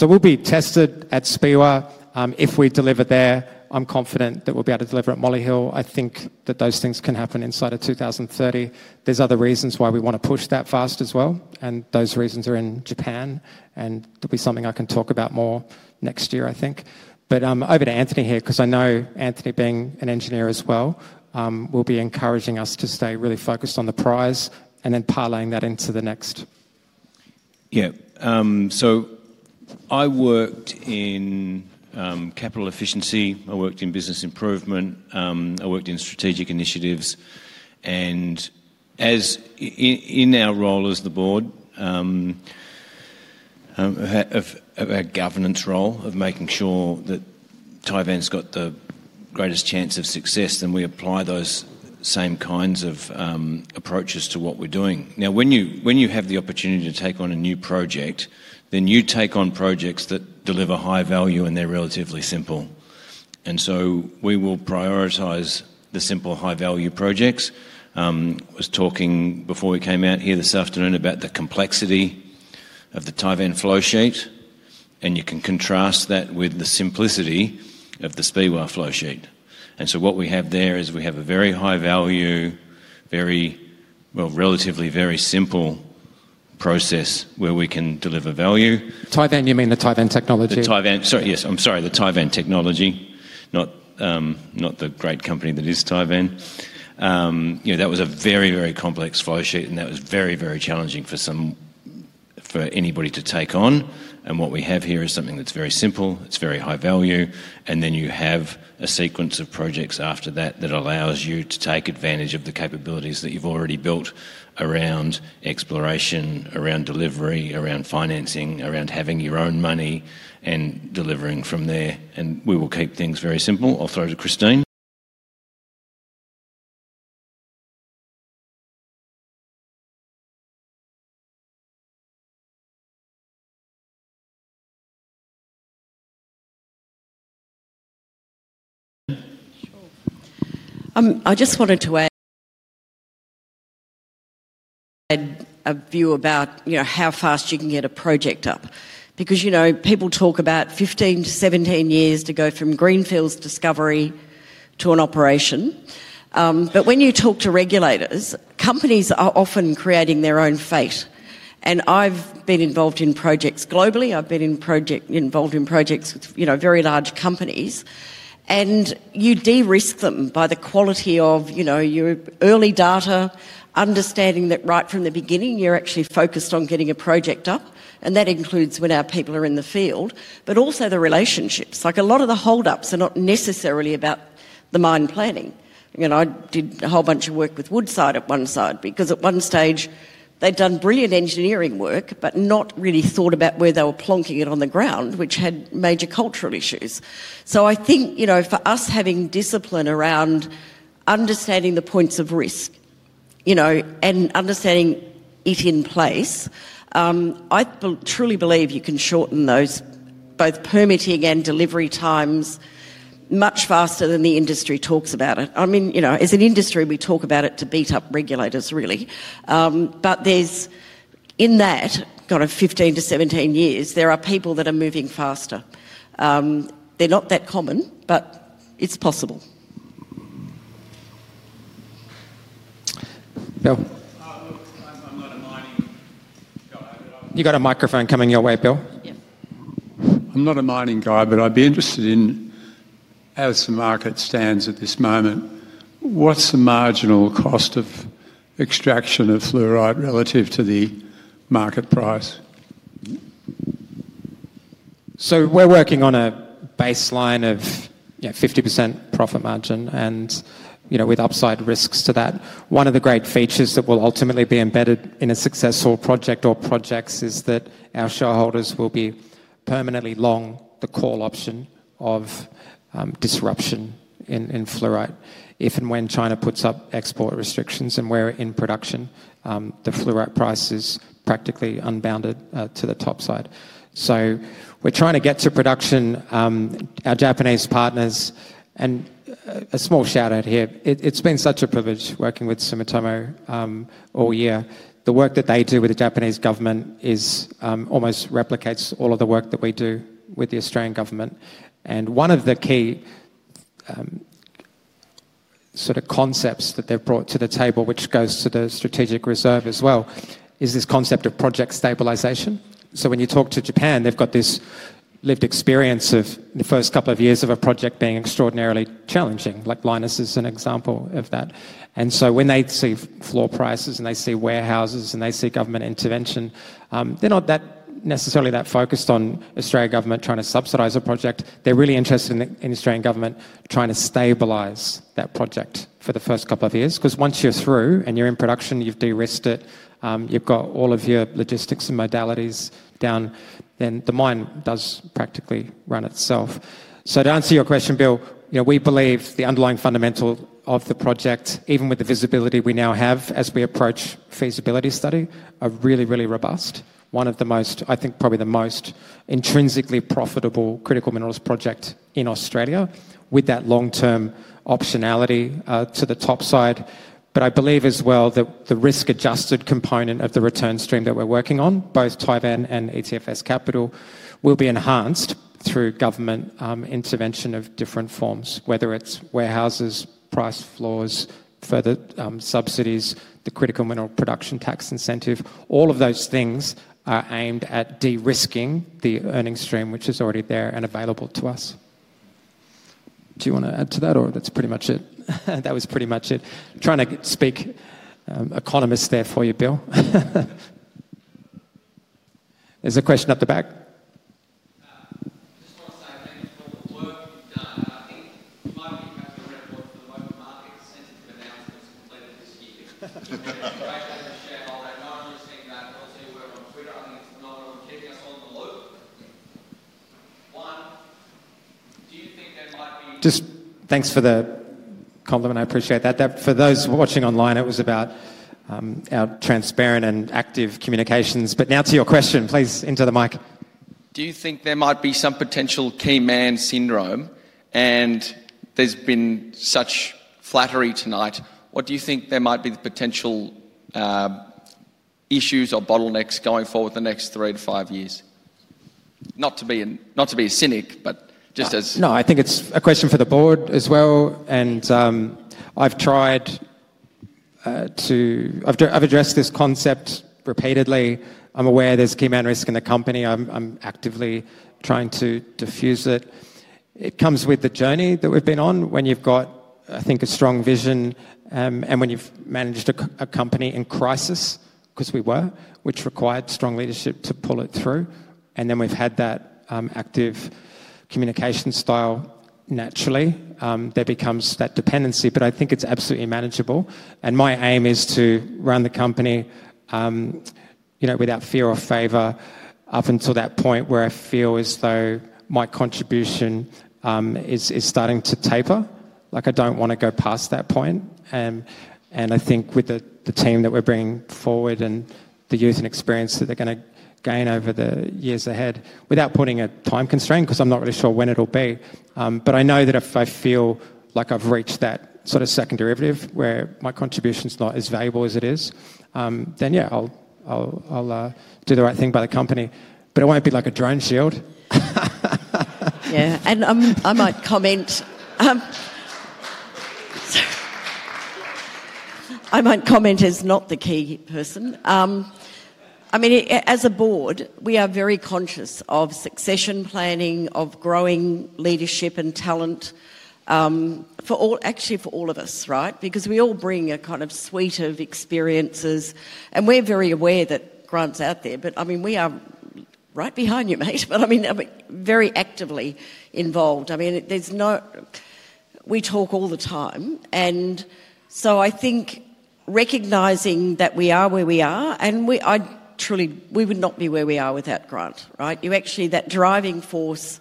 We will be tested at Speewah. If we deliver there, I am confident that we will be able to deliver at Molly Hill. I think that those things can happen inside of 2030. are other reasons why we want to push that fast as well. Those reasons are in Japan. It will be something I can talk about more next year, I think. Over to Anthony here, because I know Anthony, being an engineer as well, will be encouraging us to stay really focused on the prize and then parlaying that into the next. Yeah. I worked in capital efficiency. I worked in business improvement. I worked in strategic initiatives. In our role as the board, our governance role of making sure that Tivan's got the greatest chance of success, we apply those same kinds of approaches to what we're doing. Now, when you have the opportunity to take on a new project, you take on projects that deliver high value and they're relatively simple. We will prioritize the simple high value projects. I was talking before we came out here this afternoon about the complexity of the Tivan flow sheet. You can contrast that with the simplicity of the Speewah flow sheet. What we have there is a very high value, very, well, relatively very simple process where we can deliver value. Tivan, you mean the Tivan technology? The Tivan, sorry, yes. I'm sorry, the Tivan technology, not the great company that is Tivan. That was a very, very complex flow sheet. That was very, very challenging for anybody to take on. What we have here is something that's very simple. It's very high value. You have a sequence of projects after that that allows you to take advantage of the capabilities that you've already built around exploration, around delivery, around financing, around having your own money and delivering from there. We will keep things very simple. I'll throw to Christine. I just wanted to add a view about how fast you can get a project up. People talk about 15-17 years to go from greenfield discovery to an operation. When you talk to regulators, companies are often creating their own fate. I've been involved in projects globally. I've been involved in projects with very large companies. You de-risk them by the quality of your early data, understanding that right from the beginning, you're actually focused on getting a project up. That includes when our people are in the field, but also the relationships. A lot of the holdups are not necessarily about the mine planning. I did a whole bunch of work with Woodside at one side because at one stage, they'd done brilliant engineering work, but not really thought about where they were plonking it on the ground, which had major cultural issues. I think for us having discipline around understanding the points of risk and understanding it in place, I truly believe you can shorten those both permitting and delivery times much faster than the industry talks about it. I mean, as an industry, we talk about it to beat up regulators, really. In that, got a 15-17 years, there are people that are moving faster. They're not that common, but it's possible. Bill. I'm not a mining guy. You've got a microphone coming your way, Bill. Yeah. I'm not a mining guy, but I'd be interested in how the market stands at this moment. What's the marginal cost of extraction of fluorite relative to the market price? We're working on a baseline of 50% profit margin and with upside risks to that. One of the great features that will ultimately be embedded in a successful project or projects is that our shareholders will be permanently long the call option of disruption in fluorite if and when China puts up export restrictions and we're in production, the fluorite price is practically unbounded to the top side. We're trying to get to production. Our Japanese partners, and a small shout out here, it's been such a privilege working with Sumitomo all year. The work that they do with the Japanese government almost replicates all of the work that we do with the Australian government. One of the key sort of concepts that they've brought to the table, which goes to the strategic reserve as well, is this concept of project stabilization. When you talk to Japan, they've got this lived experience of the first couple of years of a project being extraordinarily challenging. Like Linus is an example of that. When they see floor prices and they see warehouses and they see government intervention, they're not necessarily that focused on the Australian government trying to subsidize a project. They're really interested in the Australian government trying to stabilize that project for the first couple of years. Because once you're through and you're in production, you've de-risked it, you've got all of your logistics and modalities down, then the mine does practically run itself. To answer your question, Bill, we believe the underlying fundamental of the project, even with the visibility we now have as we approach feasibility study, are really, really robust. One of the most, I think probably the most intrinsically profitable critical minerals project in Australia with that long-term optionality to the top side. I believe as well that the risk-adjusted component of the return stream that we're working on, both Tivan and ETFS Capital, will be enhanced through government intervention of different forms, whether it's warehouses, price floors, further subsidies, the critical mineral production tax incentive. All of those things are aimed at de-risking the earning stream, which is already there and available to us. Do you want to add to that? Or that's pretty much it. That was pretty much it. Trying to speak economist there for you, Bill. There's a question at the back. Just one side. Thank you for the work you've done. I think you might be having a report for the local market. Sensitive announcements completed this year. I'd like to ask the shareholder, not only seeing that, but also you were on Twitter. I think it's phenomenal. Keeping us all in the loop. One, do you think there might be. Just thanks for the compliment. I appreciate that. For those watching online, it was about our transparent and active communications. Now to your question, please into the mic. Do you think there might be some potential key man syndrome? There has been such flattery tonight. What do you think there might be the potential issues or bottlenecks going forward the next three to five years? Not to be cynic, but just as. No, I think it's a question for the board as well. I've tried to address this concept repeatedly. I'm aware there's key man risk in the company. I'm actively trying to diffuse it. It comes with the journey that we've been on when you've got, I think, a strong vision and when you've managed a company in crisis, because we were, which required strong leadership to pull it through. We've had that active communication style naturally. There becomes that dependency. I think it's absolutely manageable. My aim is to run the company without fear or favor up until that point where I feel as though my contribution is starting to taper. I don't want to go past that point. I think with the team that we're bringing forward and the youth and experience that they're going to gain over the years ahead, without putting a time constraint, because I'm not really sure when it'll be. I know that if I feel like I've reached that sort of second derivative where my contribution is not as valuable as it is, then yeah, I'll do the right thing by the company. It won't be like a drone shield. Yeah. I might comment. I might comment as not the key person. I mean, as a board, we are very conscious of succession planning, of growing leadership and talent, actually for all of us, right? Because we all bring a kind of suite of experiences. We are very aware that Grant's out there. I mean, we are right behind you, mate. I mean, very actively involved. I mean, we talk all the time. I think recognizing that we are where we are, and I truly, we would not be where we are without Grant, right? You actually, that driving force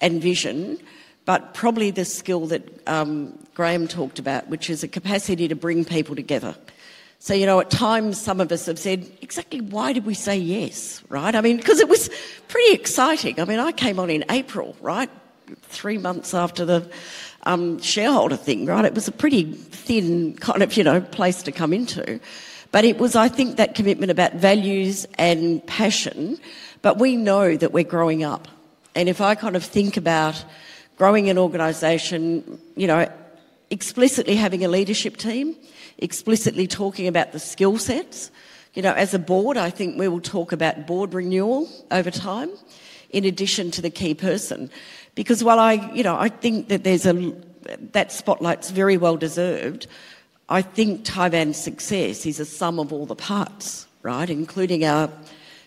and vision, but probably the skill that Graham talked about, which is a capacity to bring people together. At times, some of us have said, "Exactly why did we say yes?" Right? I mean, because it was pretty exciting. I mean, I came on in April, right? Three months after the shareholder thing, right? It was a pretty thin kind of place to come into. It was, I think, that commitment about values and passion. We know that we're growing up. If I kind of think about growing an organization, explicitly having a leadership team, explicitly talking about the skill sets, as a board, I think we will talk about board renewal over time in addition to the key person. While I think that spotlight's very well deserved, I think Tivan's success is a sum of all the parts, right? Including our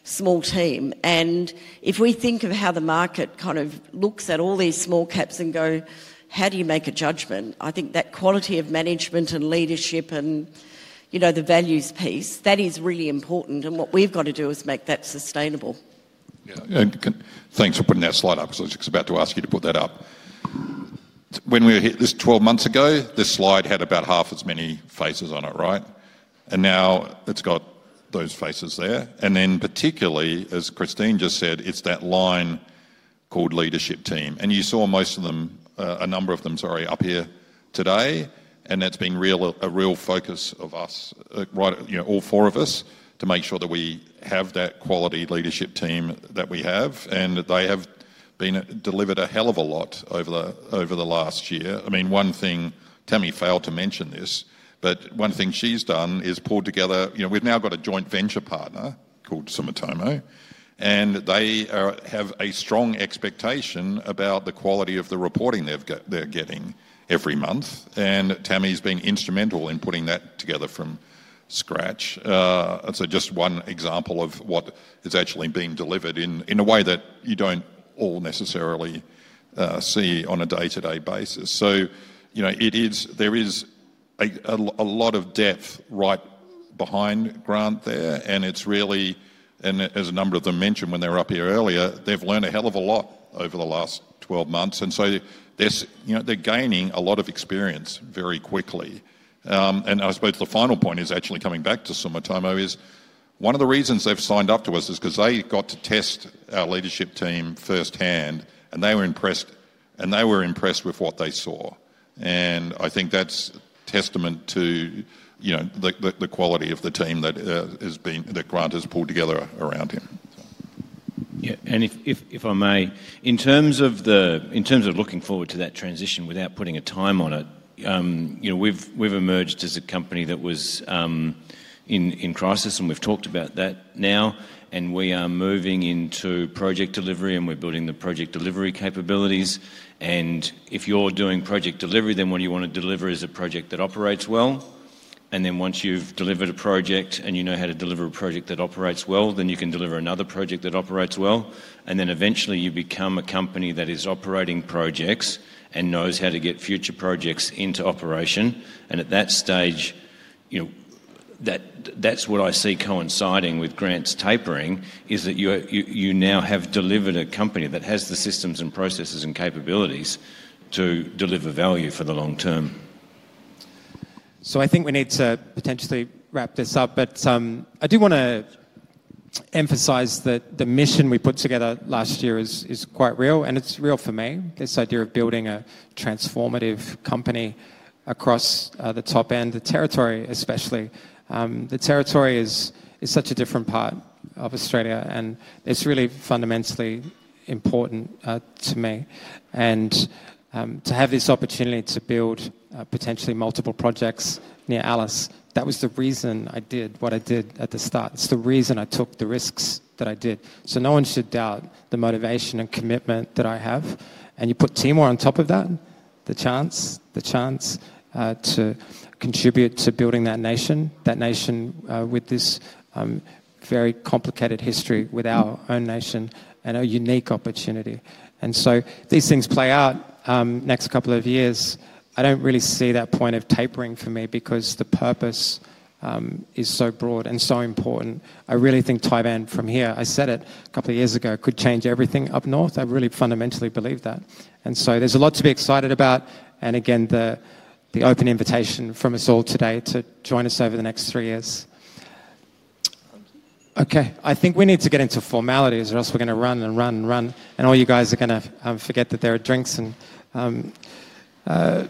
small team. If we think of how the market kind of looks at all these small caps and go, "How do you make a judgment?" I think that quality of management and leadership and the values piece, that is really important. What we've got to do is make that sustainable. Yeah. Thanks for putting that slide up because I was just about to ask you to put that up. When we hit this 12 months ago, this slide had about half as many faces on it, right? Now it's got those faces there. Particularly, as Christine just said, it's that line called leadership team. You saw most of them, a number of them, sorry, up here today. That's been a real focus of us, all four of us, to make sure that we have that quality leadership team that we have. They have delivered a hell of a lot over the last year. I mean, one thing, Tammie failed to mention this, but one thing she's done is pulled together. We've now got a joint venture partner called Sumitomo. They have a strong expectation about the quality of the reporting they're getting every month. Tammie's been instrumental in putting that together from scratch. It's just one example of what has actually been delivered in a way that you don't all necessarily see on a day-to-day basis. There is a lot of depth right behind Grant there. As a number of them mentioned when they were up here earlier, they've learned a hell of a lot over the last 12 months. They're gaining a lot of experience very quickly. I suppose the final point is actually coming back to Sumitomo. One of the reasons they've signed up to us is because they got to test our leadership team firsthand. They were impressed. They were impressed with what they saw. I think that's a testament to the quality of the team that Grant has pulled together around him. Yeah. If I may, in terms of looking forward to that transition without putting a time on it, we've emerged as a company that was in crisis. We've talked about that now. We are moving into project delivery. We are building the project delivery capabilities. If you're doing project delivery, what you want to deliver is a project that operates well. Once you've delivered a project and you know how to deliver a project that operates well, you can deliver another project that operates well. Eventually, you become a company that is operating projects and knows how to get future projects into operation. At that stage, that's what I see coinciding with Grant's tapering, that you now have delivered a company that has the systems and processes and capabilities to deliver value for the long term. I think we need to potentially wrap this up. I do want to emphasize that the mission we put together last year is quite real. It is real for me, this idea of building a transformative company across the top end, the territory especially. The territory is such a different part of Australia. It is really fundamentally important to me. To have this opportunity to build potentially multiple projects near Alice, that was the reason I did what I did at the start. It is the reason I took the risks that I did. No one should doubt the motivation and commitment that I have. You put Timor on top of that, the chance, the chance to contribute to building that nation, that nation with this very complicated history with our own nation and a unique opportunity. These things play out next couple of years. I do not really see that point of tapering for me because the purpose is so broad and so important. I really think Tivan from here, I said it a couple of years ago, could change everything up north. I really fundamentally believe that. There is a lot to be excited about. Again, the open invitation from us all today to join us over the next three years. Okay. I think we need to get into formalities or else we are going to run and run and run. All you guys are going to forget that there are drinks and hors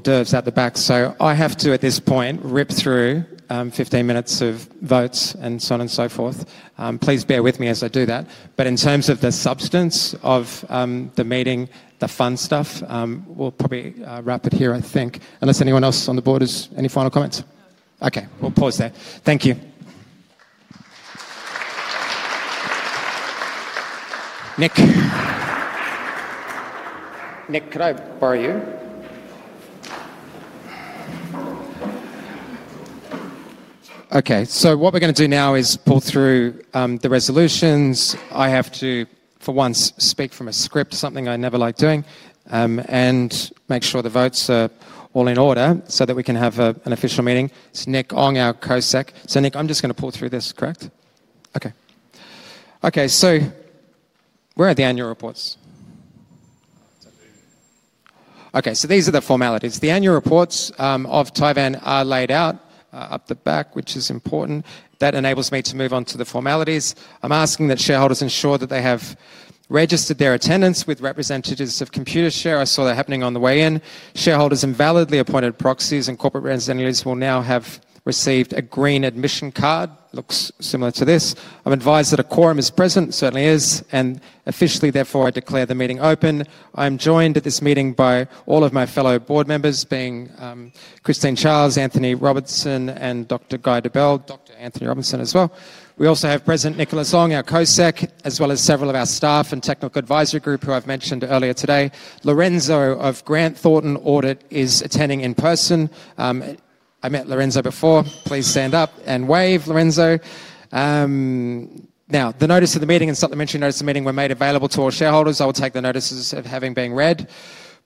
d'oeuvres at the back. I have to at this point rip through 15 minutes of votes and so on and so forth. Please bear with me as I do that. In terms of the substance of the meeting, the fun stuff, we'll probably wrap it here, I think. Unless anyone else on the board has any final comments? Okay. We'll pause there. Thank you. Nick. Nick, could I borrow you? Okay. What we're going to do now is pull through the resolutions. I have to, for once, speak from a script, something I never like doing, and make sure the votes are all in order so that we can have an official meeting. It's Nick Ong, our COSEC. Nick, I'm just going to pull through this, correct? Okay. Where are the annual reports? These are the formalities. The annual reports of Tivan are laid out up the back, which is important. That enables me to move on to the formalities. I'm asking that shareholders ensure that they have registered their attendance with representatives of ComputerShare. I saw that happening on the way in. Shareholders invalidly appointed proxies and corporate representatives will now have received a green admission card. Looks similar to this. I'm advised that a quorum is present. Certainly is. Officially, therefore, I declare the meeting open. I am joined at this meeting by all of my fellow board members, being Christine Charles, Anthony Robertson, and Dr. Guy Debelle, Dr. Anthony Robinson as well. We also have present Nicholas Ong, our COSEC, as well as several of our staff and technical advisory group who I have mentioned earlier today. Lorenzo of Grant Thornton Audit is attending in person. I met Lorenzo before. Please stand up and wave, Lorenzo. Now, the notice of the meeting and supplementary notice of the meeting were made available to all shareholders. I will take the notices as having been read.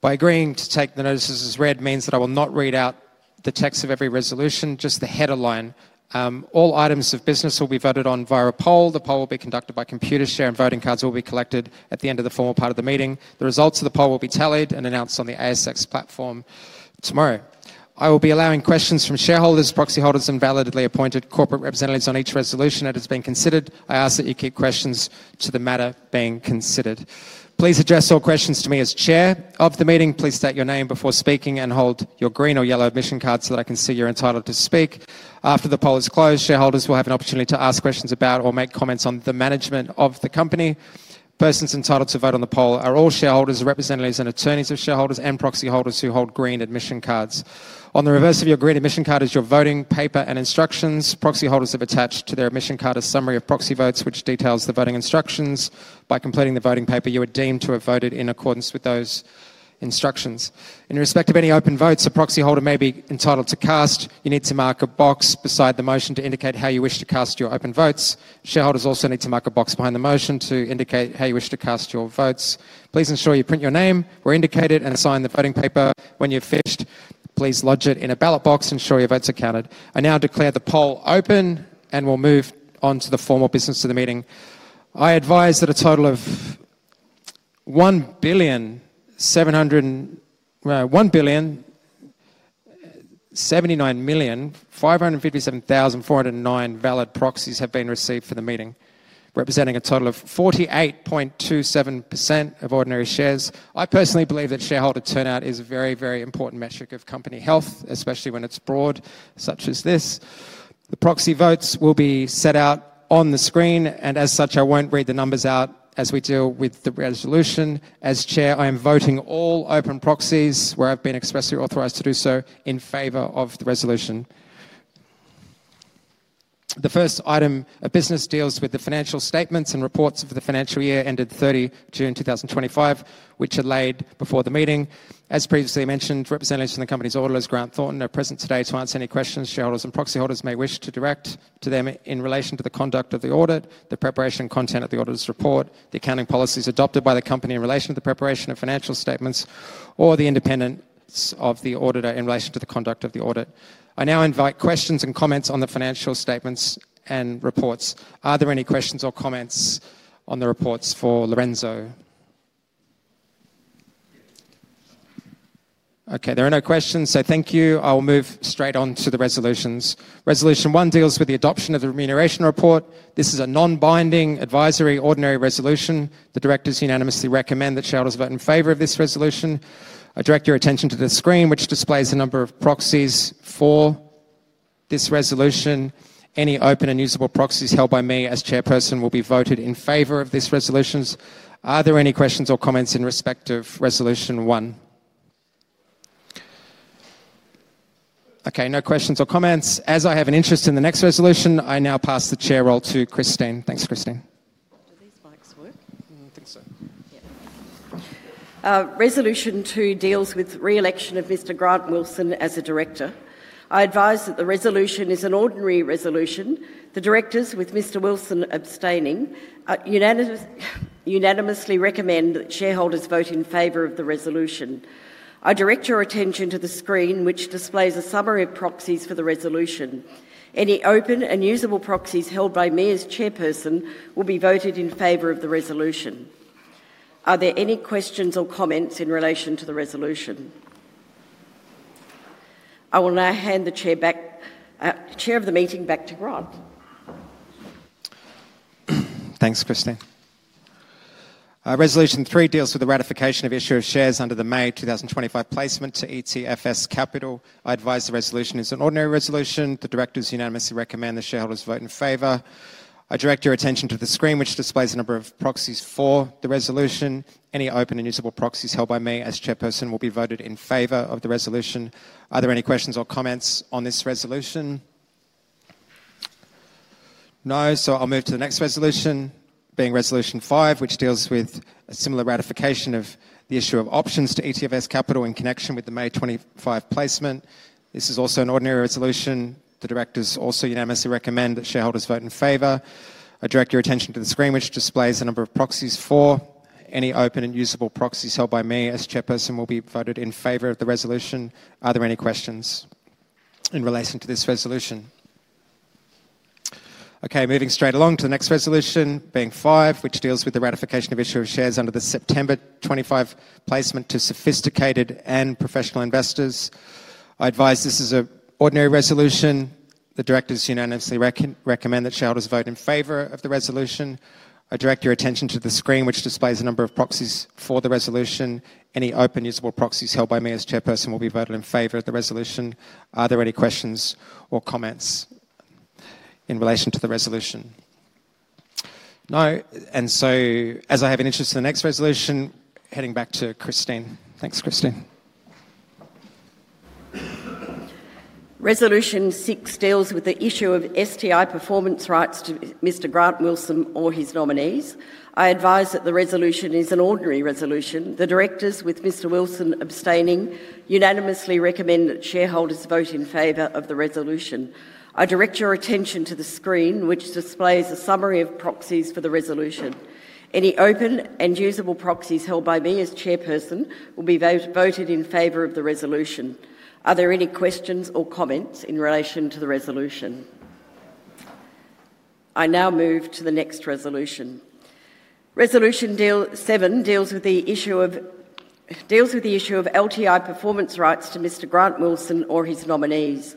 By agreeing to take the notices as read means that I will not read out the text of every resolution, just the header line. All items of business will be voted on via a poll. The poll will be conducted by ComputerShare, and voting cards will be collected at the end of the formal part of the meeting. The results of the poll will be tallied and announced on the ASX platform tomorrow. I will be allowing questions from shareholders, proxy holders, invalidly appointed corporate representatives on each resolution that has been considered. I ask that you keep questions to the matter being considered. Please address all questions to me as Chair of the meeting. Please state your name before speaking and hold your green or yellow admission card so that I can see you're entitled to speak. After the poll is closed, shareholders will have an opportunity to ask questions about or make comments on the management of the company. Persons entitled to vote on the poll are all shareholders, representatives, and attorneys of shareholders and proxy holders who hold green admission cards. On the reverse of your green admission card is your voting paper and instructions. Proxy holders have attached to their admission card a summary of proxy votes, which details the voting instructions. By completing the voting paper, you are deemed to have voted in accordance with those instructions. In respect of any open votes, a proxy holder may be entitled to cast. You need to mark a box beside the motion to indicate how you wish to cast your open votes. Shareholders also need to mark a box behind the motion to indicate how you wish to cast your votes. Please ensure you print your name where indicated and sign the voting paper when you're finished. Please lodge it in a ballot box and ensure your votes are counted. I now declare the poll open and will move on to the formal business of the meeting. I advise that a total of 1,779,557,409 valid proxies have been received for the meeting, representing a total of 48.27% of ordinary shares. I personally believe that shareholder turnout is a very, very important metric of company health, especially when it's broad such as this. The proxy votes will be set out on the screen. As such, I won't read the numbers out as we deal with the resolution. As Chair, I am voting all open proxies where I've been expressly authorized to do so in favor of the resolution. The first item of business deals with the financial statements and reports for the financial year ended 30 June 2025, which are laid before the meeting. As previously mentioned, representatives from the company's auditors, Grant Thornton, are present today to answer any questions shareholders and proxy holders may wish to direct to them in relation to the conduct of the audit, the preparation content of the auditor's report, the accounting policies adopted by the company in relation to the preparation of financial statements, or the independence of the auditor in relation to the conduct of the audit. I now invite questions and comments on the financial statements and reports. Are there any questions or comments on the reports for Lorenzo? Okay. There are no questions. Thank you. I will move straight on to the resolutions. Resolution one deals with the adoption of the remuneration report. This is a non-binding advisory ordinary resolution. The directors unanimously recommend that shareholders vote in favor of this resolution. I direct your attention to the screen, which displays the number of proxies for this resolution. Any open and usable proxies held by me as Chairperson will be voted in favor of this resolution. Are there any questions or comments in respect of resolution one? Okay. No questions or comments. As I have an interest in the next resolution, I now pass the Chair role to Christine. Thanks, Christine. Do these mics work? I don't think so. Yeah. Resolution two deals with re-election of Mr. Grant Wilson as a director. I advise that the resolution is an ordinary resolution. The directors, with Mr. Wilson abstaining, unanimously recommend that shareholders vote in favor of the resolution. I direct your attention to the screen, which displays a summary of proxies for the resolution. Any open and usable proxies held by me as chairperson will be voted in favor of the resolution. Are there any questions or comments in relation to the resolution? I will now hand the chair of the meeting back to Grant. Thanks, Christine. Resolution three deals with the ratification of issue of shares under the May 2025 placement to ETFS Capital. I advise the resolution is an ordinary resolution. The directors unanimously recommend the shareholders vote in favor. I direct your attention to the screen, which displays a number of proxies for the resolution. Any open and usable proxies held by me as chairperson will be voted in favor of the resolution. Are there any questions or comments on this resolution? No. I will move to the next resolution, being resolution five, which deals with a similar ratification of the issue of options to ETFS Capital in connection with the May 2025 placement. This is also an ordinary resolution. The directors also unanimously recommend that shareholders vote in favor. I direct your attention to the screen, which displays a number of proxies for any open and usable proxies held by me as Chairperson will be voted in favor of the resolution. Are there any questions in relation to this resolution? Okay. Moving straight along to the next resolution, being five, which deals with the ratification of issue of shares under the September 25 placement to sophisticated and professional investors. I advise this is an ordinary resolution. The directors unanimously recommend that shareholders vote in favor of the resolution. I direct your attention to the screen, which displays a number of proxies for the resolution. Any open usable proxies held by me as Chairperson will be voted in favor of the resolution. Are there any questions or comments in relation to the resolution? No. As I have an interest in the next resolution, heading back to Christine. Thanks, Christine. Resolution six deals with the issue of STI Performance Rights to Mr. Grant Wilson or his nominees. I advise that the resolution is an ordinary resolution. The directors, with Mr. Wilson abstaining, unanimously recommend that shareholders vote in favor of the resolution. I direct your attention to the screen, which displays a summary of proxies for the resolution. Any open and usable proxies held by me as Chairperson will be voted in favor of the resolution. Are there any questions or comments in relation to the resolution? I now move to the next resolution. Resolution seven deals with the issue of LTI Performance Rights to Mr. Grant Wilson or his nominees.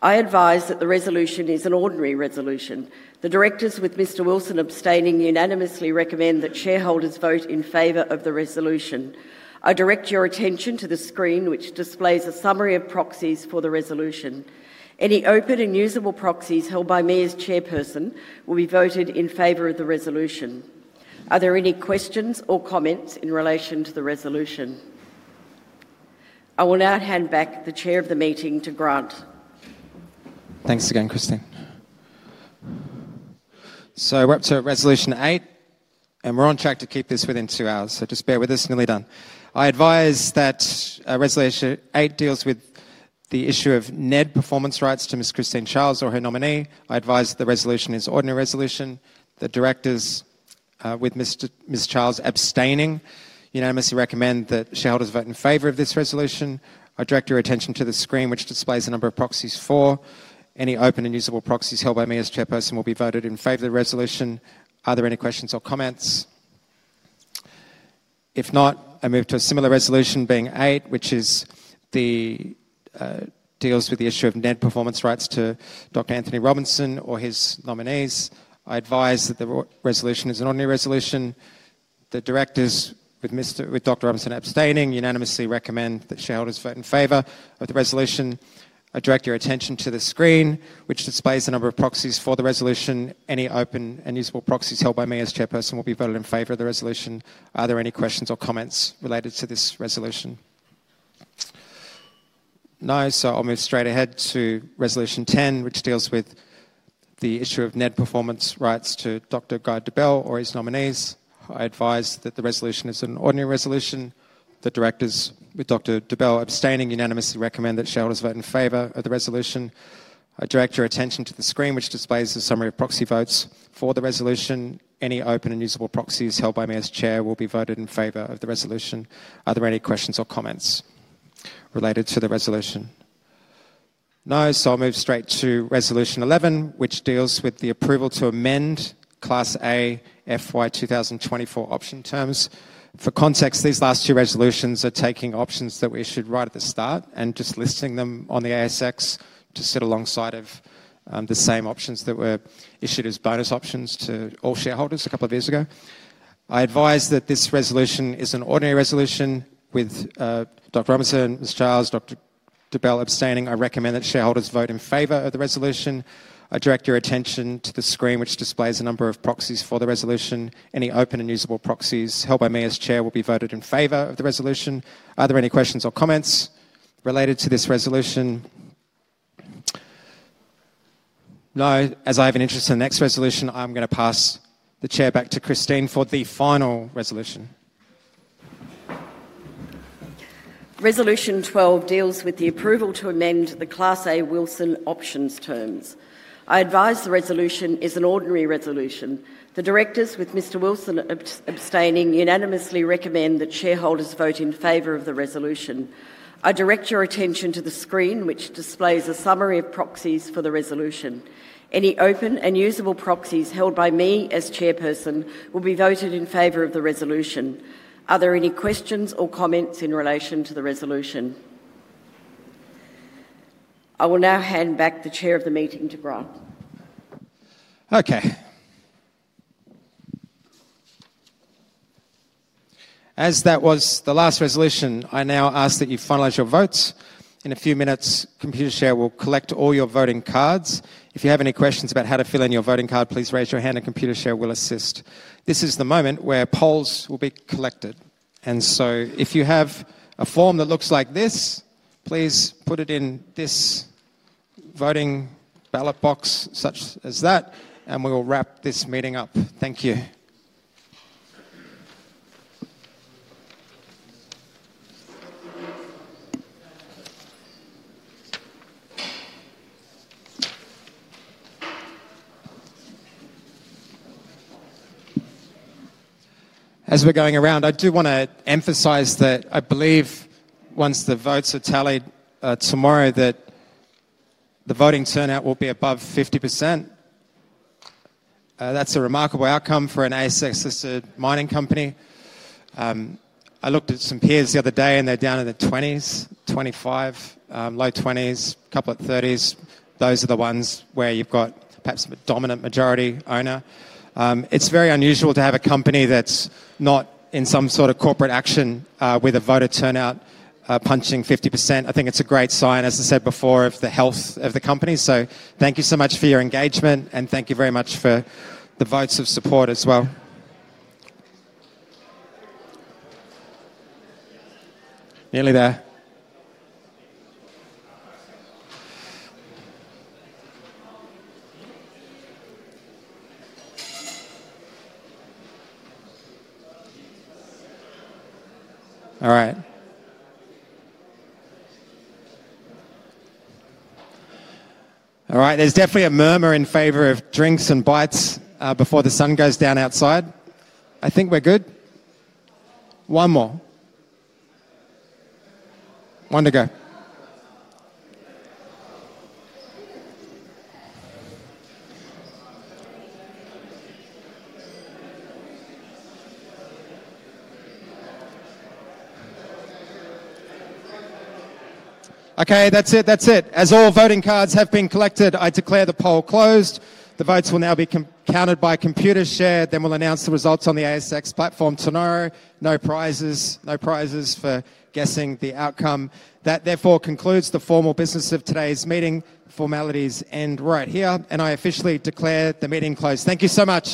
I advise that the resolution is an ordinary resolution. The directors, with Mr. Wilson abstaining, unanimously recommend that shareholders vote in favor of the resolution. I direct your attention to the screen, which displays a summary of proxies for the resolution. Any open and usable proxies held by me as Chairperson will be voted in favor of the resolution. Are there any questions or comments in relation to the resolution? I will now hand back the Chair of the meeting to Grant. Thanks again, Christine. We are up to resolution eight, and we are on track to keep this within two hours. Just bear with us until we are done. I advise that resolution eight deals with the issue of NED Performance Rights to Ms. Christine Charles or her nominee. I advise that the resolution is an ordinary resolution. The directors, with Ms. Charles abstaining, unanimously recommend that shareholders vote in favor of this resolution. I direct your attention to the screen, which displays a number of proxies, for any open and usable proxies held by me as Chairperson will be voted in favor of the resolution. Are there any questions or comments? If not, I move to a similar resolution, being eight, which deals with the issue of NED Performance Rights to Dr. Anthony Robinson or his nominees. I advise that the resolution is an ordinary resolution. The directors, with Dr. Robinson abstaining, unanimously recommend that shareholders vote in favor of the resolution. I direct your attention to the screen, which displays a number of proxies for the resolution. Any open and usable proxies held by me as chairperson will be voted in favor of the resolution. Are there any questions or comments related to this resolution? No. I will move straight ahead to resolution ten, which deals with the issue of NED Performance Rights to Dr. Guy Debelle or his nominees. I advise that the resolution is an ordinary resolution. The directors, with Dr. Debelle abstaining, unanimously recommend that shareholders vote in favor of the resolution. I direct your attention to the screen, which displays a summary of proxy votes for the resolution. Any open and usable proxies held by me as chair will be voted in favor of the resolution. Are there any questions or comments related to the resolution? No. I will move straight to resolution eleven, which deals with the approval to amend Class A FY 2024 option terms. For context, these last two resolutions are taking options that we issued right at the start and just listing them on the ASX to sit alongside the same options that were issued as bonus options to all shareholders a couple of years ago. I advise that this resolution is an ordinary resolution. With Dr. Robinson, Ms. Charles, Dr. Debelle abstaining, I recommend that shareholders vote in favor of the resolution. I direct your attention to the screen, which displays a number of proxies for the resolution. Any open and usable proxies held by me as chair will be voted in favor of the resolution. Are there any questions or comments related to this resolution? No. As I have an interest in the next resolution, I'm going to pass the chair back to Christine for the final resolution. Resolution twelve deals with the approval to amend the Class A Wilson options terms. I advise the resolution is an ordinary resolution. The directors, with Mr. Wilson abstaining, unanimously recommend that shareholders vote in favor of the resolution. I direct your attention to the screen, which displays a summary of proxies for the resolution. Any open and usable proxies held by me as Chairperson will be voted in favor of the resolution. Are there any questions or comments in relation to the resolution? I will now hand back the chair of the meeting to Grant. Okay. As that was the last resolution, I now ask that you finalize your votes. In a few minutes, ComputerShare will collect all your voting cards. If you have any questions about how to fill in your voting card, please raise your hand and ComputerShare will assist. This is the moment where polls will be collected. If you have a form that looks like this, please put it in this voting ballot box such as that, and we will wrap this meeting up. Thank you. As we're going around, I do want to emphasize that I believe once the votes are tallied tomorrow, that the voting turnout will be above 50%. That's a remarkable outcome for an ASX-listed mining company. I looked at some peers the other day, and they're down in the twenties, twenty-five, low twenties, a couple of thirties. Those are the ones where you've got perhaps a dominant majority owner. It's very unusual to have a company that's not in some sort of corporate action with a voter turnout punching 50%. I think it's a great sign, as I said before, of the health of the company. Thank you so much for your engagement, and thank you very much for the votes of support as well. Nearly there. All right. There's definitely a murmur in favor of drinks and bites before the sun goes down outside. I think we're good. One more. One to go. That's it. As all voting cards have been collected, I declare the poll closed. The votes will now be counted by ComputerShare, then we'll announce the results on the ASX platform tomorrow. No prizes. No prizes for guessing the outcome. That therefore concludes the formal business of today's meeting. Formalities end right here, and I officially declare the meeting closed. Thank you so much.